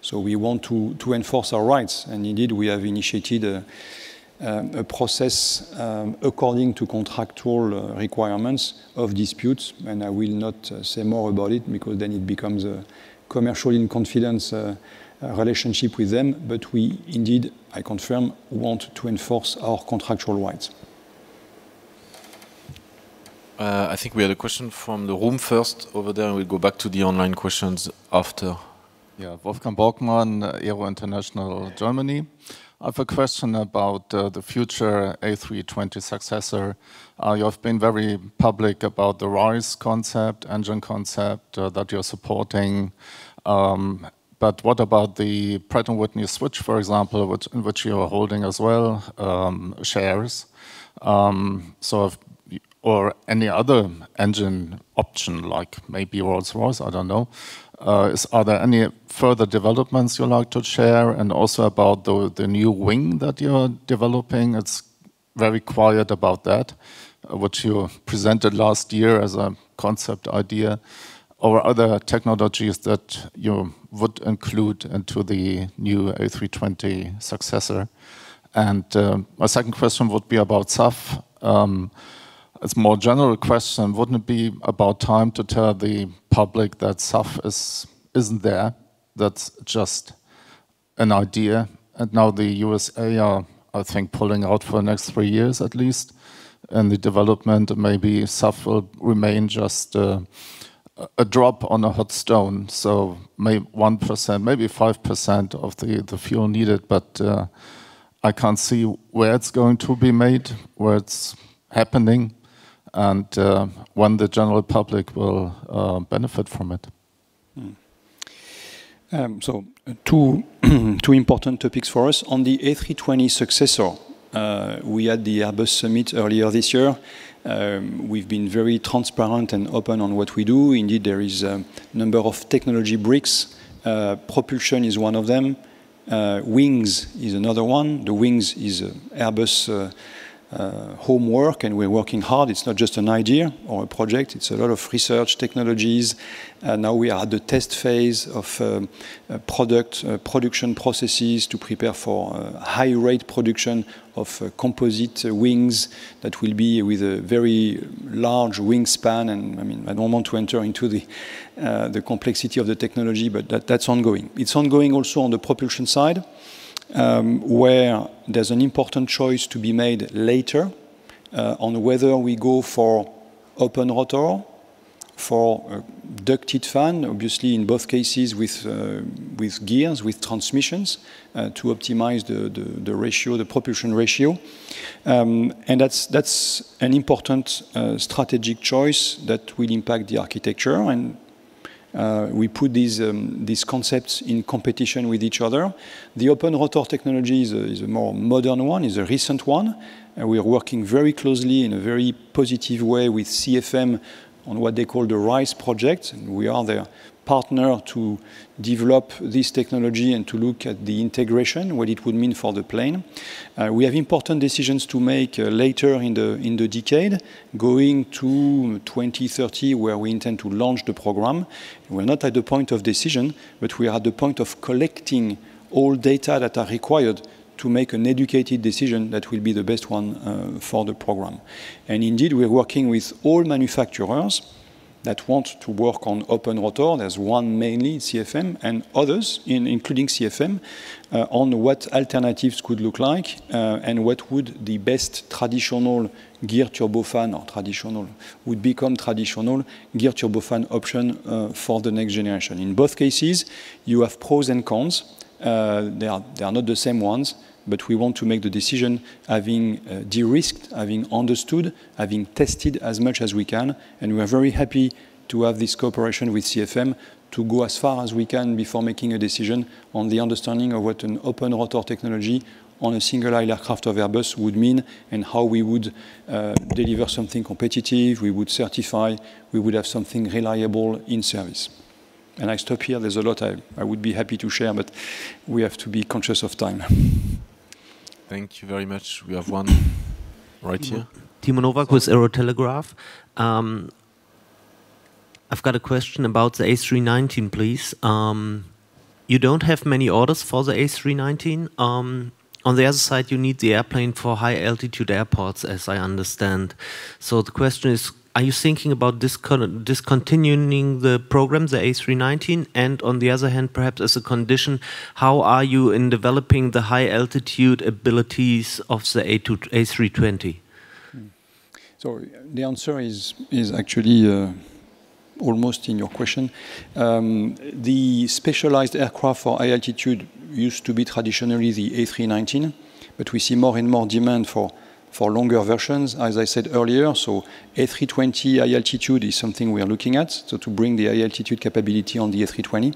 so we want to enforce our rights. And indeed, we have initiated a process according to contractual requirements of disputes, and I will not say more about it because then it becomes a commercial in confidence relationship with them. But we indeed, I confirm, want to enforce our contractual rights. I think we had a question from the room first over there, and we'll go back to the online questions after. Yeah. Wolfgang Borgmann, Aero International, Germany. I have a question about the future A320 successor. You have been very public about the RISE concept, engine concept, that you're supporting. But what about the Pratt & Whitney switch, for example, which you are holding as well, shares? Or any other engine option, like maybe Rolls-Royce, I don't know. Are there any further developments you'd like to share? And also about the new wing that you're developing, it's very quiet about that, which you presented last year as a concept idea, or other technologies that you would include into the new A320 successor. And my second question would be about SAF. It's a more general question. Wouldn't it be about time to tell the public that SAF is, isn't there? That's just an idea, and now the U.S.A. are, I think, pulling out for the next three years at least, and the development maybe SAF will remain just a drop on a hot stone. So maybe 1%, maybe 5% of the fuel needed, but I can't see where it's going to be made, where it's happening, and when the general public will benefit from it. So two important topics for us. On the A320 successor, we had the Airbus Summit earlier this year. We've been very transparent and open on what we do. Indeed, there is a number of technology bricks. Propulsion is one of them. Wings is another one. The wings is Airbus' homework, and we're working hard. It's not just an idea or a project, it's a lot of research technologies, and now we are at the test phase of production processes to prepare for high rate production of composite wings that will be with a very large wingspan. And, I mean, I don't want to enter into the complexity of the technology, but that's ongoing. It's ongoing also on the propulsion side, where there's an important choice to be made later, on whether we go for open rotor, for ducted fan, obviously in both cases with, with gears, with transmissions, to optimize the ratio, the propulsion ratio. And that's an important strategic choice that will impact the architecture, and we put these concepts in competition with each other. The open rotor technology is a more modern one, is a recent one, and we are working very closely in a very positive way with CFM on what they call the RISE project. We are their partner to develop this technology and to look at the integration, what it would mean for the plane. We have important decisions to make later in the decade, going to 2030, where we intend to launch the program. We're not at the point of decision, but we are at the point of collecting all data that are required to make an educated decision that will be the best one for the program. And indeed, we're working with all manufacturers that want to work on Open Rotor. There's one, mainly, CFM, and others, including CFM, on what alternatives could look like, and what would the best traditional geared turbofan, or traditional, would become traditional geared turbofan option for the next generation. In both cases, you have pros and cons. They are, they are not the same ones, but we want to make the decision, having de-risked, having understood, having tested as much as we can, and we are very happy to have this cooperation with CFM to go as far as we can before making a decision on the understanding of what an open rotor technology on a single aisle aircraft of Airbus would mean, and how we would deliver something competitive, we would certify, we would have something reliable in service. And I stop here. There's a lot I, I would be happy to share, but we have to be conscious of time. Thank you very much. We have one right here. Timo Nowack with aeroTELEGRAPH. I've got a question about the A319, please. You don't have many orders for the A319. On the other side, you need the airplane for high-altitude airports, as I understand. So the question is, are you thinking about discontinuing the program, the A319? And on the other hand, perhaps as a condition, how are you in developing the high-altitude abilities of the A320? So the answer is actually almost in your question. The specialized aircraft for high altitude used to be traditionally the A319, but we see more and more demand for longer versions, as I said earlier. So A320 high altitude is something we are looking at, so to bring the high-altitude capability on the A320.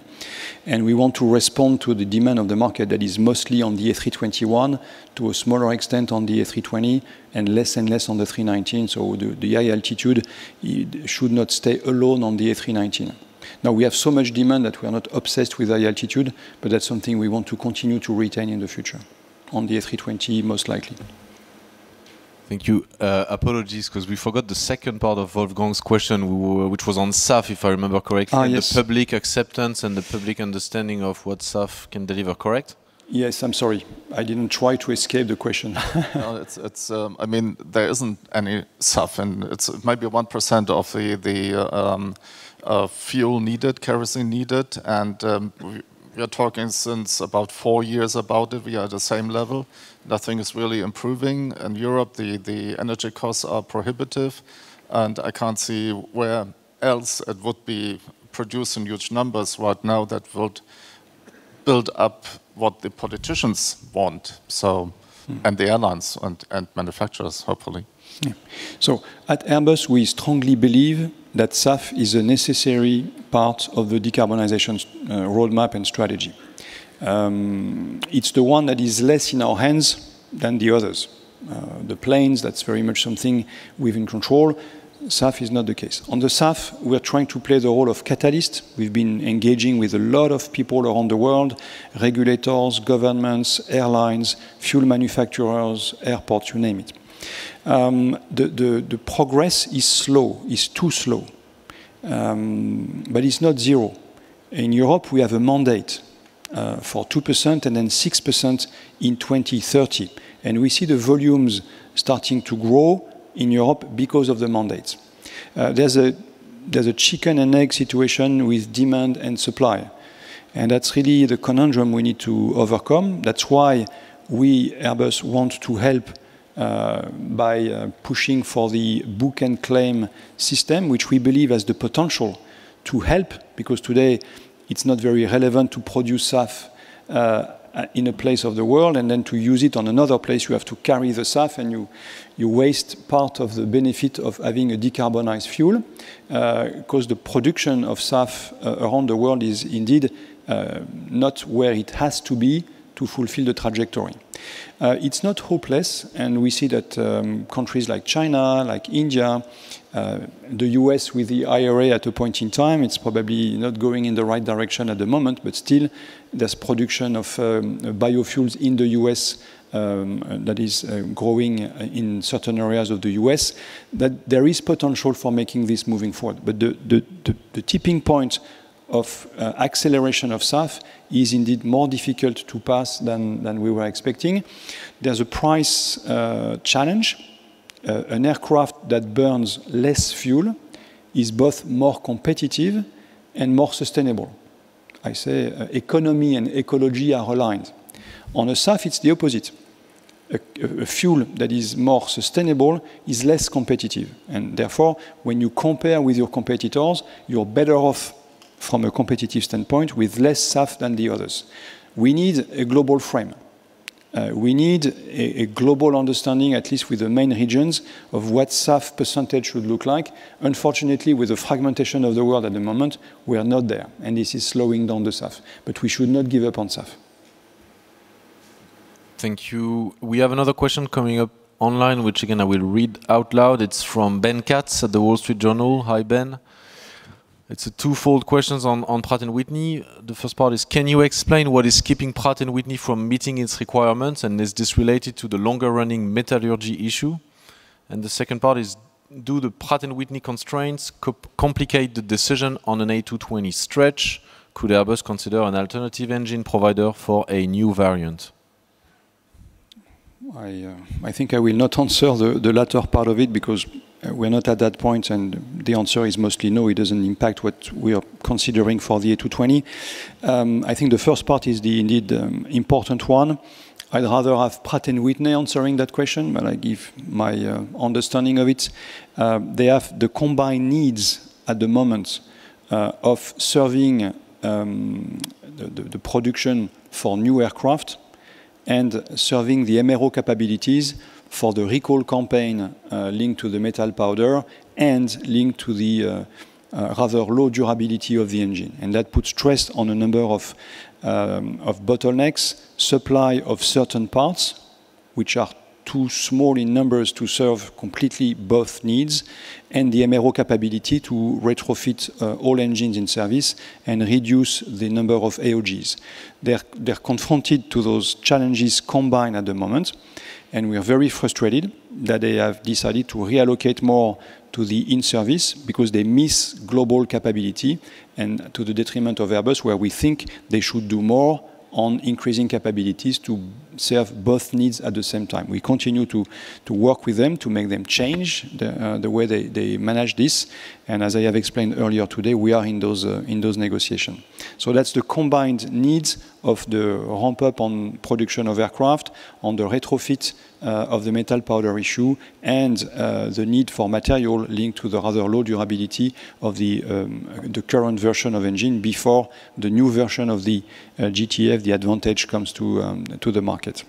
And we want to respond to the demand of the market that is mostly on the A321, to a smaller extent on the A320, and less and less on the A319. So the high altitude it should not stay alone on the A319. Now, we have so much demand that we are not obsessed with high altitude, but that's something we want to continue to retain in the future, on the A320, most likely. Thank you. Apologies, 'cause we forgot the second part of Wolfgang's question, which was on SAF, if I remember correctly. Ah, yes... the public acceptance and the public understanding of what SAF can deliver, correct? Yes. I'm sorry. I didn't try to escape the question. No, it's, I mean, there isn't any SAF, and it's, it might be 1% of the fuel needed, kerosene needed, and we are talking since about four years about it. We are at the same level. Nothing is really improving. In Europe, the energy costs are prohibitive, and I can't see where else it would be produced in huge numbers right now that would build up what the politicians want, so- Mm-hmm... and the airlines and manufacturers, hopefully. Yeah. So at Airbus, we strongly believe that SAF is a necessary part of the decarbonization, roadmap and strategy. It's the one that is less in our hands than the others. The planes, that's very much something we've in control. SAF is not the case. On the SAF, we are trying to play the role of catalyst. We've been engaging with a lot of people around the world, regulators, governments, airlines, fuel manufacturers, airports, you name it. The progress is slow, is too slow, but it's not zero. In Europe, we have a mandate, for 2% and then 6% in 2030, and we see the volumes starting to grow in Europe because of the mandates. There's a chicken-and-egg situation with demand and supply, and that's really the conundrum we need to overcome. That's why we, Airbus, want to help by pushing for the Book-and-Claim system, which we believe has the potential to help, because today it's not very relevant to produce SAF in a place of the world, and then to use it on another place, you have to carry the SAF, and you waste part of the benefit of having a decarbonized fuel. 'Cause the production of SAF around the world is indeed not where it has to be to fulfill the trajectory. It's not hopeless, and we see that countries like China, like India, the U.S. with the IRA at a point in time, it's probably not going in the right direction at the moment, but still, there's production of biofuels in the U.S. that is growing in certain areas of the U.S., that there is potential for making this moving forward. But the tipping point of acceleration of SAF is indeed more difficult to pass than we were expecting. There's a price challenge. An aircraft that burns less fuel is both more competitive and more sustainable. I say economy and ecology are aligned. On a SAF, it's the opposite. A fuel that is more sustainable is less competitive, and therefore, when you compare with your competitors, you're better off from a competitive standpoint with less SAF than the others. We need a global frame. We need a global understanding, at least with the main regions, of what SAF percentage should look like. Unfortunately, with the fragmentation of the world at the moment, we are not there, and this is slowing down the SAF, but we should not give up on SAF. Thank you. We have another question coming up online, which again, I will read out loud. It's from Ben Katz at The Wall Street Journal. Hi, Ben. It's a twofold question on, on Pratt & Whitney. The first part is: Can you explain what is keeping Pratt & Whitney from meeting its requirements, and is this related to the longer-running metallurgy issue? And the second part is: Do the Pratt & Whitney constraints complicate the decision on an A220 stretch? Could Airbus consider an alternative engine provider for a new variant? I think I will not answer the latter part of it because we're not at that point, and the answer is mostly no, it doesn't impact what we are considering for the A220. I think the first part is indeed the important one. I'd rather have Pratt & Whitney answering that question, but I give my understanding of it. They have the combined needs at the moment of serving the production for new aircraft and serving the MRO capabilities for the recall campaign linked to the metal powder and linked to the rather low durability of the engine. That puts stress on a number of bottlenecks, supply of certain parts, which are too small in numbers to serve completely both needs, and the MRO capability to retrofit all engines in service and reduce the number of AOGs. They're confronted to those challenges combined at the moment, and we are very frustrated that they have decided to reallocate more to the in-service because they miss global capability and to the detriment of Airbus, where we think they should do more on increasing capabilities to serve both needs at the same time. We continue to work with them, to make them change the way they manage this, and as I have explained earlier today, we are in those negotiation. So that's the combined needs of the ramp up on production of aircraft, on the retrofit of the metal powder issue, and the need for material linked to the rather low durability of the current version of engine before the new version of the GTF, the Advantage comes to the market.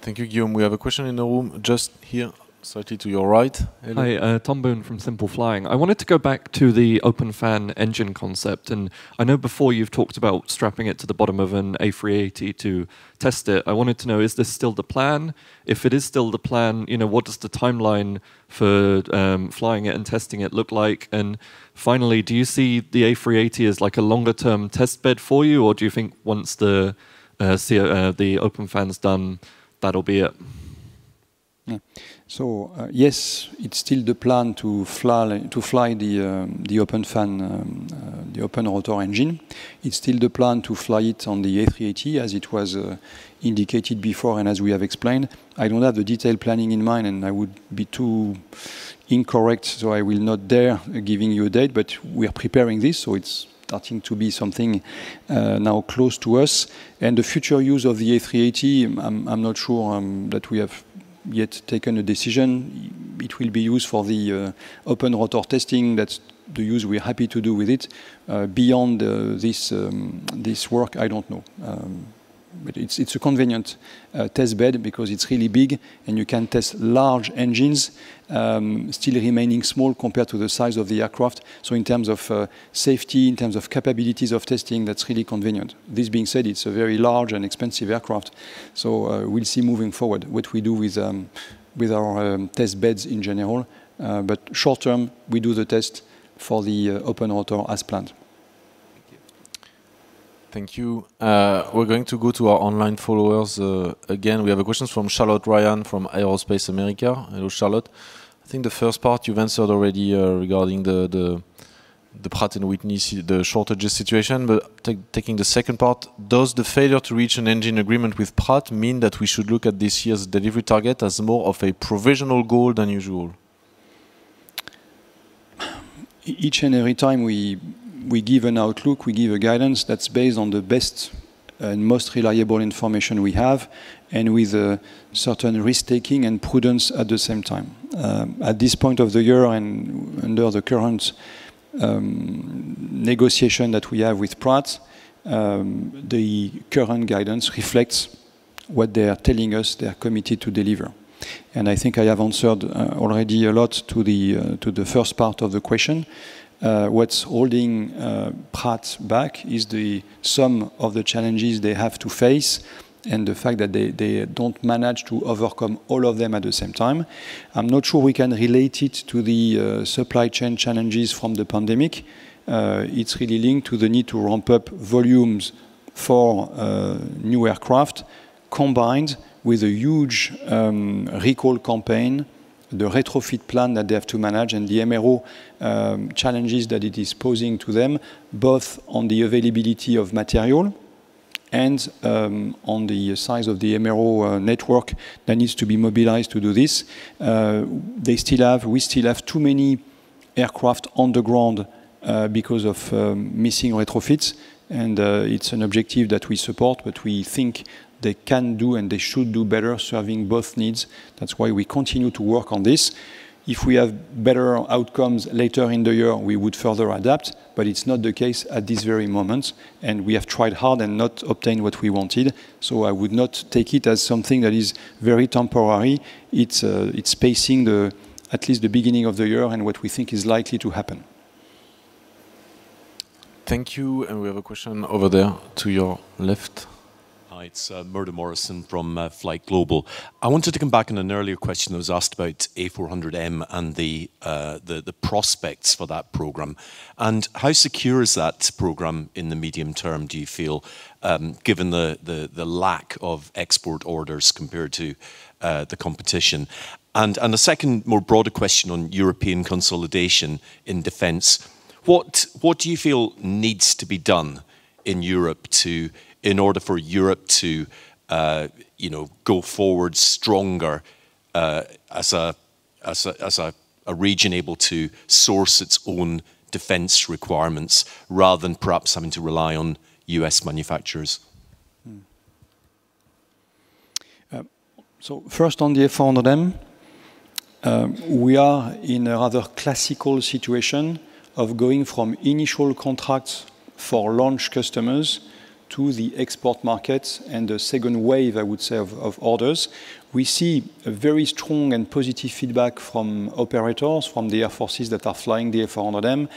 Thank you, Guillaume. We have a question in the room, just here, slightly to your right. Hello. Hi, Tom Boon from Simple Flying. I wanted to go back to the open fan engine concept, and I know before you've talked about strapping it to the bottom of an A380 to test it. I wanted to know, is this still the plan? If it is still the plan, you know, what does the timeline for flying it and testing it look like? And finally, do you see the A380 as, like, a longer-term test bed for you, or do you think once the open fan's done, that'll be it? So, yes, it's still the plan to fly the open fan, the open rotor engine. It's still the plan to fly it on the A380, as it was indicated before and as we have explained. I don't have the detailed planning in mind, and I would be too incorrect, so I will not dare giving you a date, but we are preparing this, so it's starting to be something now close to us. And the future use of the A380, I'm not sure that we have yet taken a decision. It will be used for the open rotor testing. That's the use we're happy to do with it. Beyond this work, I don't know. But it's a convenient test bed because it's really big, and you can test large engines, still remaining small compared to the size of the aircraft. So in terms of safety, in terms of capabilities of testing, that's really convenient. This being said, it's a very large and expensive aircraft, so we'll see moving forward what we do with our test beds in general. But short term, we do the test for the Open Rotor as planned. Thank you. Thank you. We're going to go to our online followers. Again, we have a question from Charlotte Ryan, from Aerospace America. Hello, Charlotte. I think the first part you've answered already, regarding the Pratt & Whitney shortages situation. But taking the second part, does the failure to reach an engine agreement with Pratt mean that we should look at this year's delivery target as more of a provisional goal than usual? Each and every time we give an outlook, we give a guidance that's based on the best and most reliable information we have, and with a certain risk-taking and prudence at the same time. At this point of the year and under the current negotiation that we have with Pratt, the current guidance reflects what they are telling us they are committed to deliver. I think I have answered already a lot to the first part of the question. What's holding Pratt back is the sum of the challenges they have to face and the fact that they don't manage to overcome all of them at the same time. I'm not sure we can relate it to the supply chain challenges from the pandemic. It's really linked to the need to ramp up volumes for new aircraft, combined with a huge recall campaign, the retrofit plan that they have to manage, and the MRO challenges that it is posing to them, both on the availability of material and on the size of the MRO network that needs to be mobilized to do this. They still have— we still have too many aircraft on the ground because of missing retrofits, and it's an objective that we support, but we think they can do, and they should do better serving both needs. That's why we continue to work on this. If we have better outcomes later in the year, we would further adapt, but it's not the case at this very moment, and we have tried hard and not obtained what we wanted. So I would not take it as something that is very temporary. It's pacing the, at least the beginning of the year, and what we think is likely to happen. Thank you. We have a question over there to your left. Hi, it's Murdo Morrison from FlightGlobal. I wanted to come back on an earlier question that was asked about A400M and the prospects for that program. And how secure is that program in the medium term, do you feel, given the lack of export orders compared to the competition? And a second, more broader question on European consolidation in defense. What do you feel needs to be done in Europe to, in order for Europe to, you know, go forward stronger, as a region able to source its own defense requirements, rather than perhaps having to rely on U.S. manufacturers? First, on the A400M, we are in a rather classical situation of going from initial contracts for launch customers to the export markets and a second wave, I would say, of orders. We see a very strong and positive feedback from operators, from the air forces that are flying the A400M.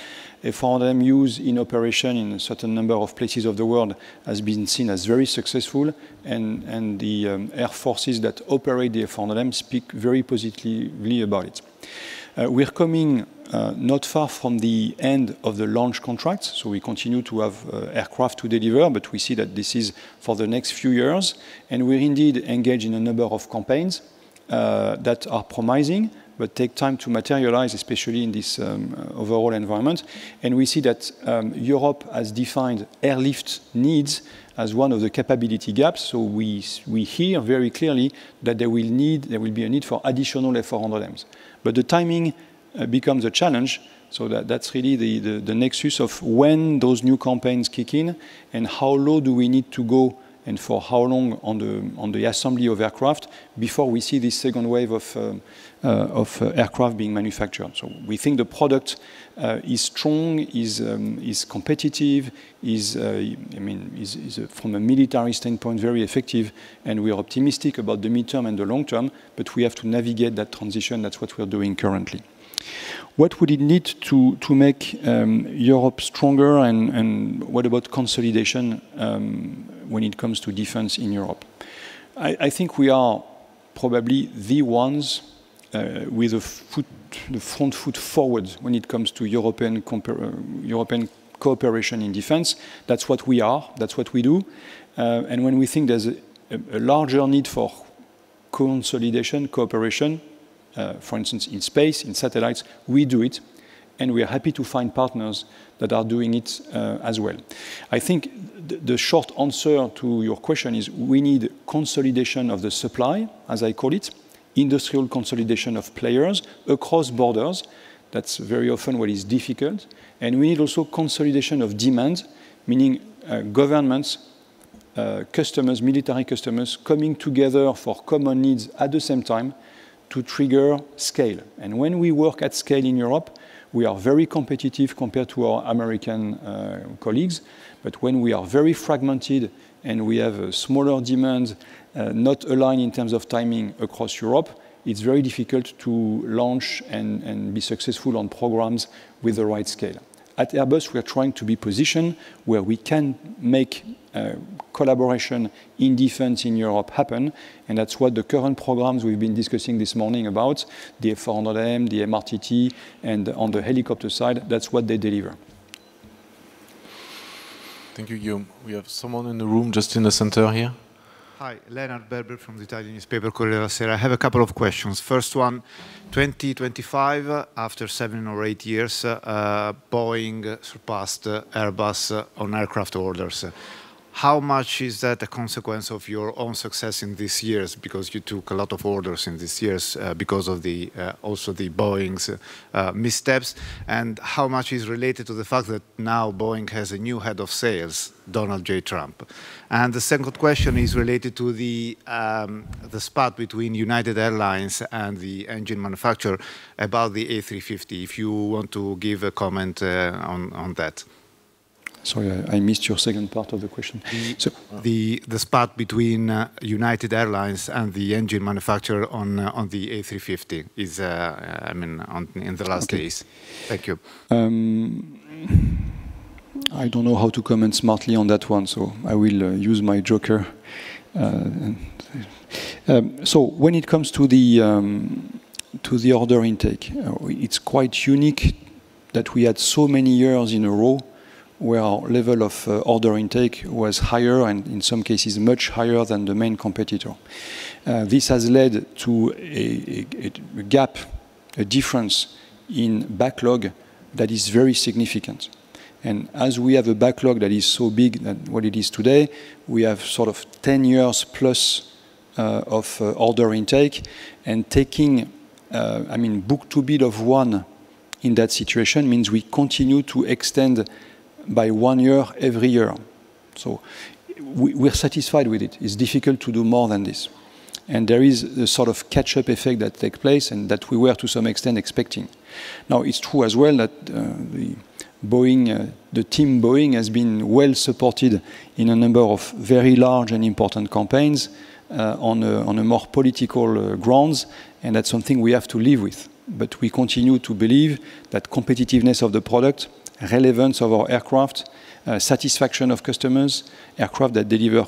A400M use in operation in a certain number of places of the world has been seen as very successful, and the air forces that operate the A400M speak very positively about it. We're coming not far from the end of the launch contract, so we continue to have aircraft to deliver, but we see that this is for the next few years, and we're indeed engaged in a number of campaigns that are promising, but take time to materialize, especially in this overall environment. We see that Europe has defined airlift needs as one of the capability gaps, so we hear very clearly that there will be a need for additional A400Ms. But the timing becomes a challenge, so that's really the nexus of when those new campaigns kick in and how low do we need to go, and for how long on the assembly of aircraft before we see this second wave of aircraft being manufactured. So we think the product is strong, is competitive, I mean, is from a military standpoint, very effective, and we are optimistic about the midterm and the long term, but we have to navigate that transition. That's what we're doing currently. What would it need to make Europe stronger and what about consolidation when it comes to defense in Europe? I think we are probably the ones with the front foot forward when it comes to European cooperation in defense. That's what we are. That's what we do. And when we think there's a larger need for consolidation, cooperation, for instance, in space, in satellites, we do it, and we are happy to find partners that are doing it as well. I think the short answer to your question is, we need consolidation of the supply, as I call it, industrial consolidation of players across borders. That's very often what is difficult. We need also consolidation of demand, meaning, governments, customers, military customers, coming together for common needs at the same time to trigger scale. And when we work at scale in Europe, we are very competitive compared to our American colleagues. But when we are very fragmented and we have a smaller demand, not aligned in terms of timing across Europe, it's very difficult to launch and be successful on programs with the right scale. At Airbus, we are trying to be positioned where we can make collaboration in defense in Europe happen, and that's what the current programs we've been discussing this morning about, the A400M, the MRTT, and on the helicopter side, that's what they deliver. Thank you, Guillaume. We have someone in the room just in the center here. Hi, Leonard Berberi from the Italian newspaper, Corriere della Sera. I have a couple of questions. First one, 2025, after seven or eight years, Boeing surpassed Airbus on aircraft orders. ...How much is that a consequence of your own success in these years? Because you took a lot of orders in these years, because of the also the Boeing's missteps. And how much is related to the fact that now Boeing has a new head of sales, Donald J. Trump? And the second question is related to the spat between United Airlines and the engine manufacturer about the A350, if you want to give a comment on that. Sorry, I missed your second part of the question. So the spat between United Airlines and the engine manufacturer on the A350 is, I mean, in the last days. Okay. Thank you. I don't know how to comment smartly on that one, so I will use my joker. So when it comes to the order intake, it's quite unique that we had so many years in a row where our level of order intake was higher and, in some cases, much higher than the main competitor. This has led to a gap, a difference in backlog that is very significant. And as we have a backlog that is so big than what it is today, we have sort of 10 years plus of order intake. And taking, I mean, book-to-bill of 1 in that situation means we continue to extend by one year every year. So we're satisfied with it. It's difficult to do more than this, and there is a sort of catch-up effect that take place and that we were, to some extent, expecting. Now, it's true as well that, the Boeing, the team Boeing, has been well supported in a number of very large and important campaigns, on a more political, grounds, and that's something we have to live with. But we continue to believe that competitiveness of the product, relevance of our aircraft, satisfaction of customers, aircraft that deliver,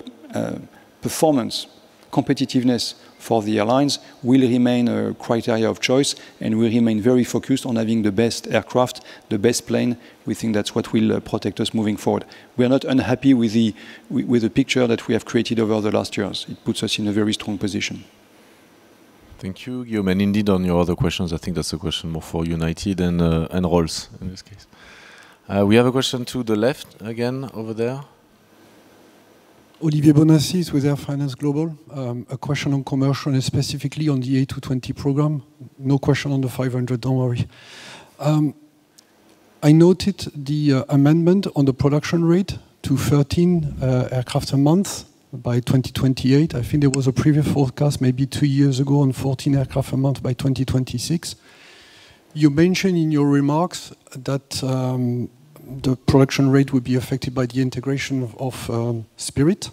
performance, competitiveness for the airlines will remain a criteria of choice, and we remain very focused on having the best aircraft, the best plane. We think that's what will, protect us moving forward. We are not unhappy with the picture that we have created over the last years. It puts us in a very strong position. Thank you, Guillaume. Indeed, on your other questions, I think that's a question more for United and Rolls, in this case. We have a question to the left again, over there. Olivier Bonnassies with Air Finance Global. A question on commercial and specifically on the A220 program. No question on the 500, don't worry. I noted the amendment on the production rate to 13 aircraft a month by 2028. I think there was a previous forecast, maybe two years ago, on 14 aircraft a month by 2026. You mentioned in your remarks that the production rate would be affected by the integration of Spirit.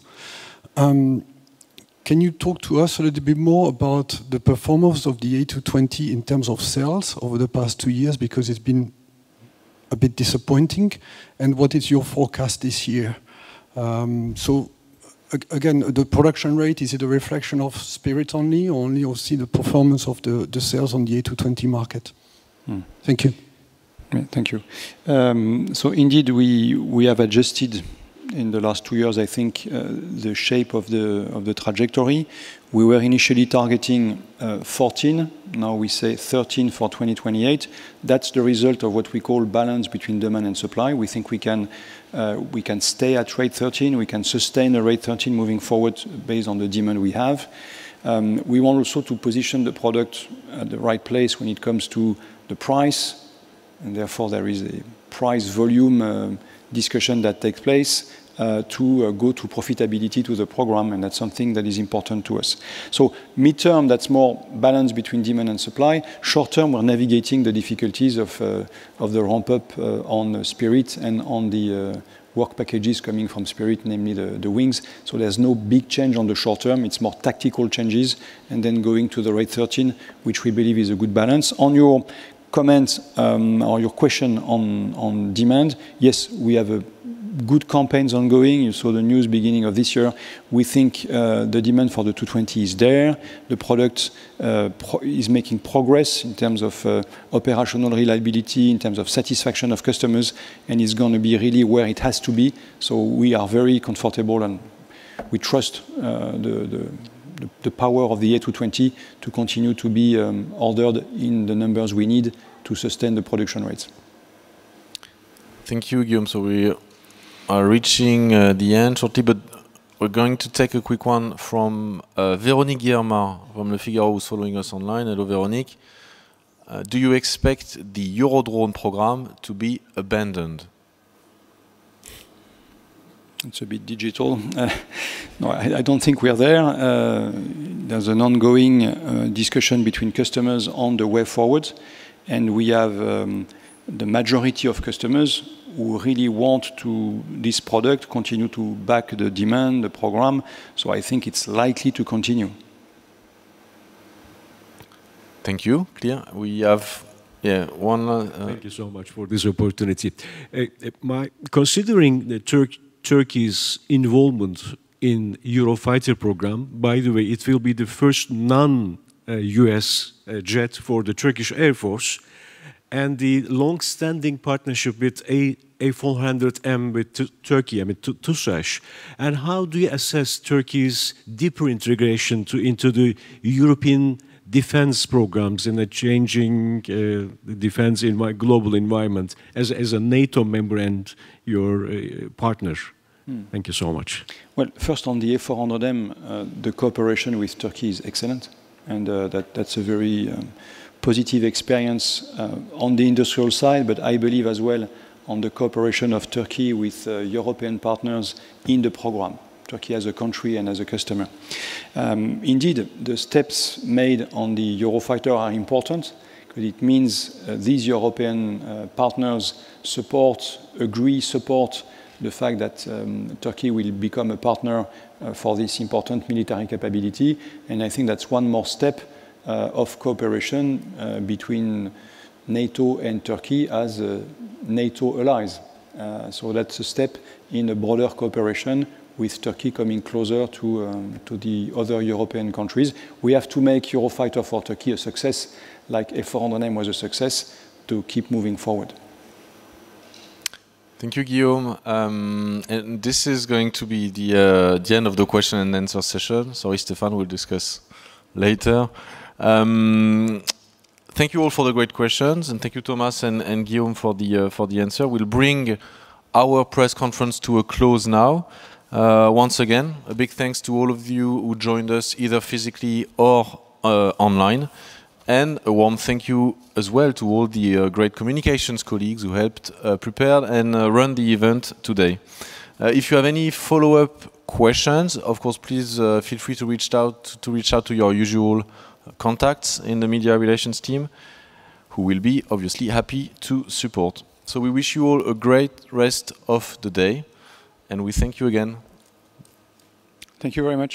Can you talk to us a little bit more about the performance of the A220 in terms of sales over the past two years, because it's been a bit disappointing, and what is your forecast this year? So again, the production rate, is it a reflection of Spirit only, or see the performance of the sales on the A220 market? Mm. Thank you. Thank you. So indeed, we, we have adjusted, in the last two years, I think, the shape of the, of the trajectory. We were initially targeting, 14, now we say 13 for 2028. That's the result of what we call balance between demand and supply. We think we can, we can stay at rate 13, we can sustain a rate 13 moving forward based on the demand we have. We want also to position the product at the right place when it comes to the price, and therefore, there is a price-volume, discussion that takes place, to, go to profitability to the program, and that's something that is important to us. So midterm, that's more balance between demand and supply. Short term, we're navigating the difficulties of the ramp-up on Spirit and on the work packages coming from Spirit, namely the wings. So there's no big change on the short term. It's more tactical changes and then going to the rate 13, which we believe is a good balance. On your comments or your question on demand, yes, we have a good campaigns ongoing. You saw the news beginning of this year. We think the demand for the 220 is there. The product is making progress in terms of operational reliability, in terms of satisfaction of customers, and is gonna be really where it has to be. So we are very comfortable, and we trust the power of the A220 to continue to be ordered in the numbers we need to sustain the production rates. Thank you, Guillaume. So we are reaching the end shortly, but we're going to take a quick one from Véronique Guillermard from Le Figaro, who's following us online. Hello, Veronique. Do you expect the Eurodrone program to be abandoned? It's a bit digital. No, I don't think we are there. There's an ongoing discussion between customers on the way forward, and we have the majority of customers who really want to... This product continue to back the demand, the program, so I think it's likely to continue. Thank you. Clear. We have, yeah, one, Thank you so much for this opportunity. Considering Turkey's involvement in Eurofighter program, by the way, it will be the first non US jet for the Turkish Air Force, and the long-standing partnership with A400M with Turkey, I mean, TUSAS. And how do you assess Turkey's deeper integration into the European defense programs in a changing defense environment, global environment, as a NATO member and your partner? ... Thank you so much. Well, first, on the A400M, the cooperation with Turkey is excellent, and, that, that's a very positive experience on the industrial side, but I believe as well on the cooperation of Turkey with European partners in the program, Turkey as a country and as a customer. Indeed, the steps made on the Eurofighter are important, but it means these European partners support, agree, support the fact that Turkey will become a partner for this important military capability. And I think that's one more step of cooperation between NATO and Turkey as NATO allies. So that's a step in a broader cooperation with Turkey coming closer to the other European countries. We have to make Eurofighter for Turkey a success, like A400M was a success, to keep moving forward. Thank you, Guillaume. And this is going to be the end of the question and answer session. Sorry, Stefan, we'll discuss later. Thank you all for the great questions, and thank you, Thomas and Guillaume, for the answer. We'll bring our press conference to a close now. Once again, a big thanks to all of you who joined us, either physically or online, and a warm thank you as well to all the great communications colleagues who helped prepare and run the event today. If you have any follow-up questions, of course, please feel free to reach out to your usual contacts in the media relations team, who will be obviously happy to support. So we wish you all a great rest of the day, and we thank you again. Thank you very much.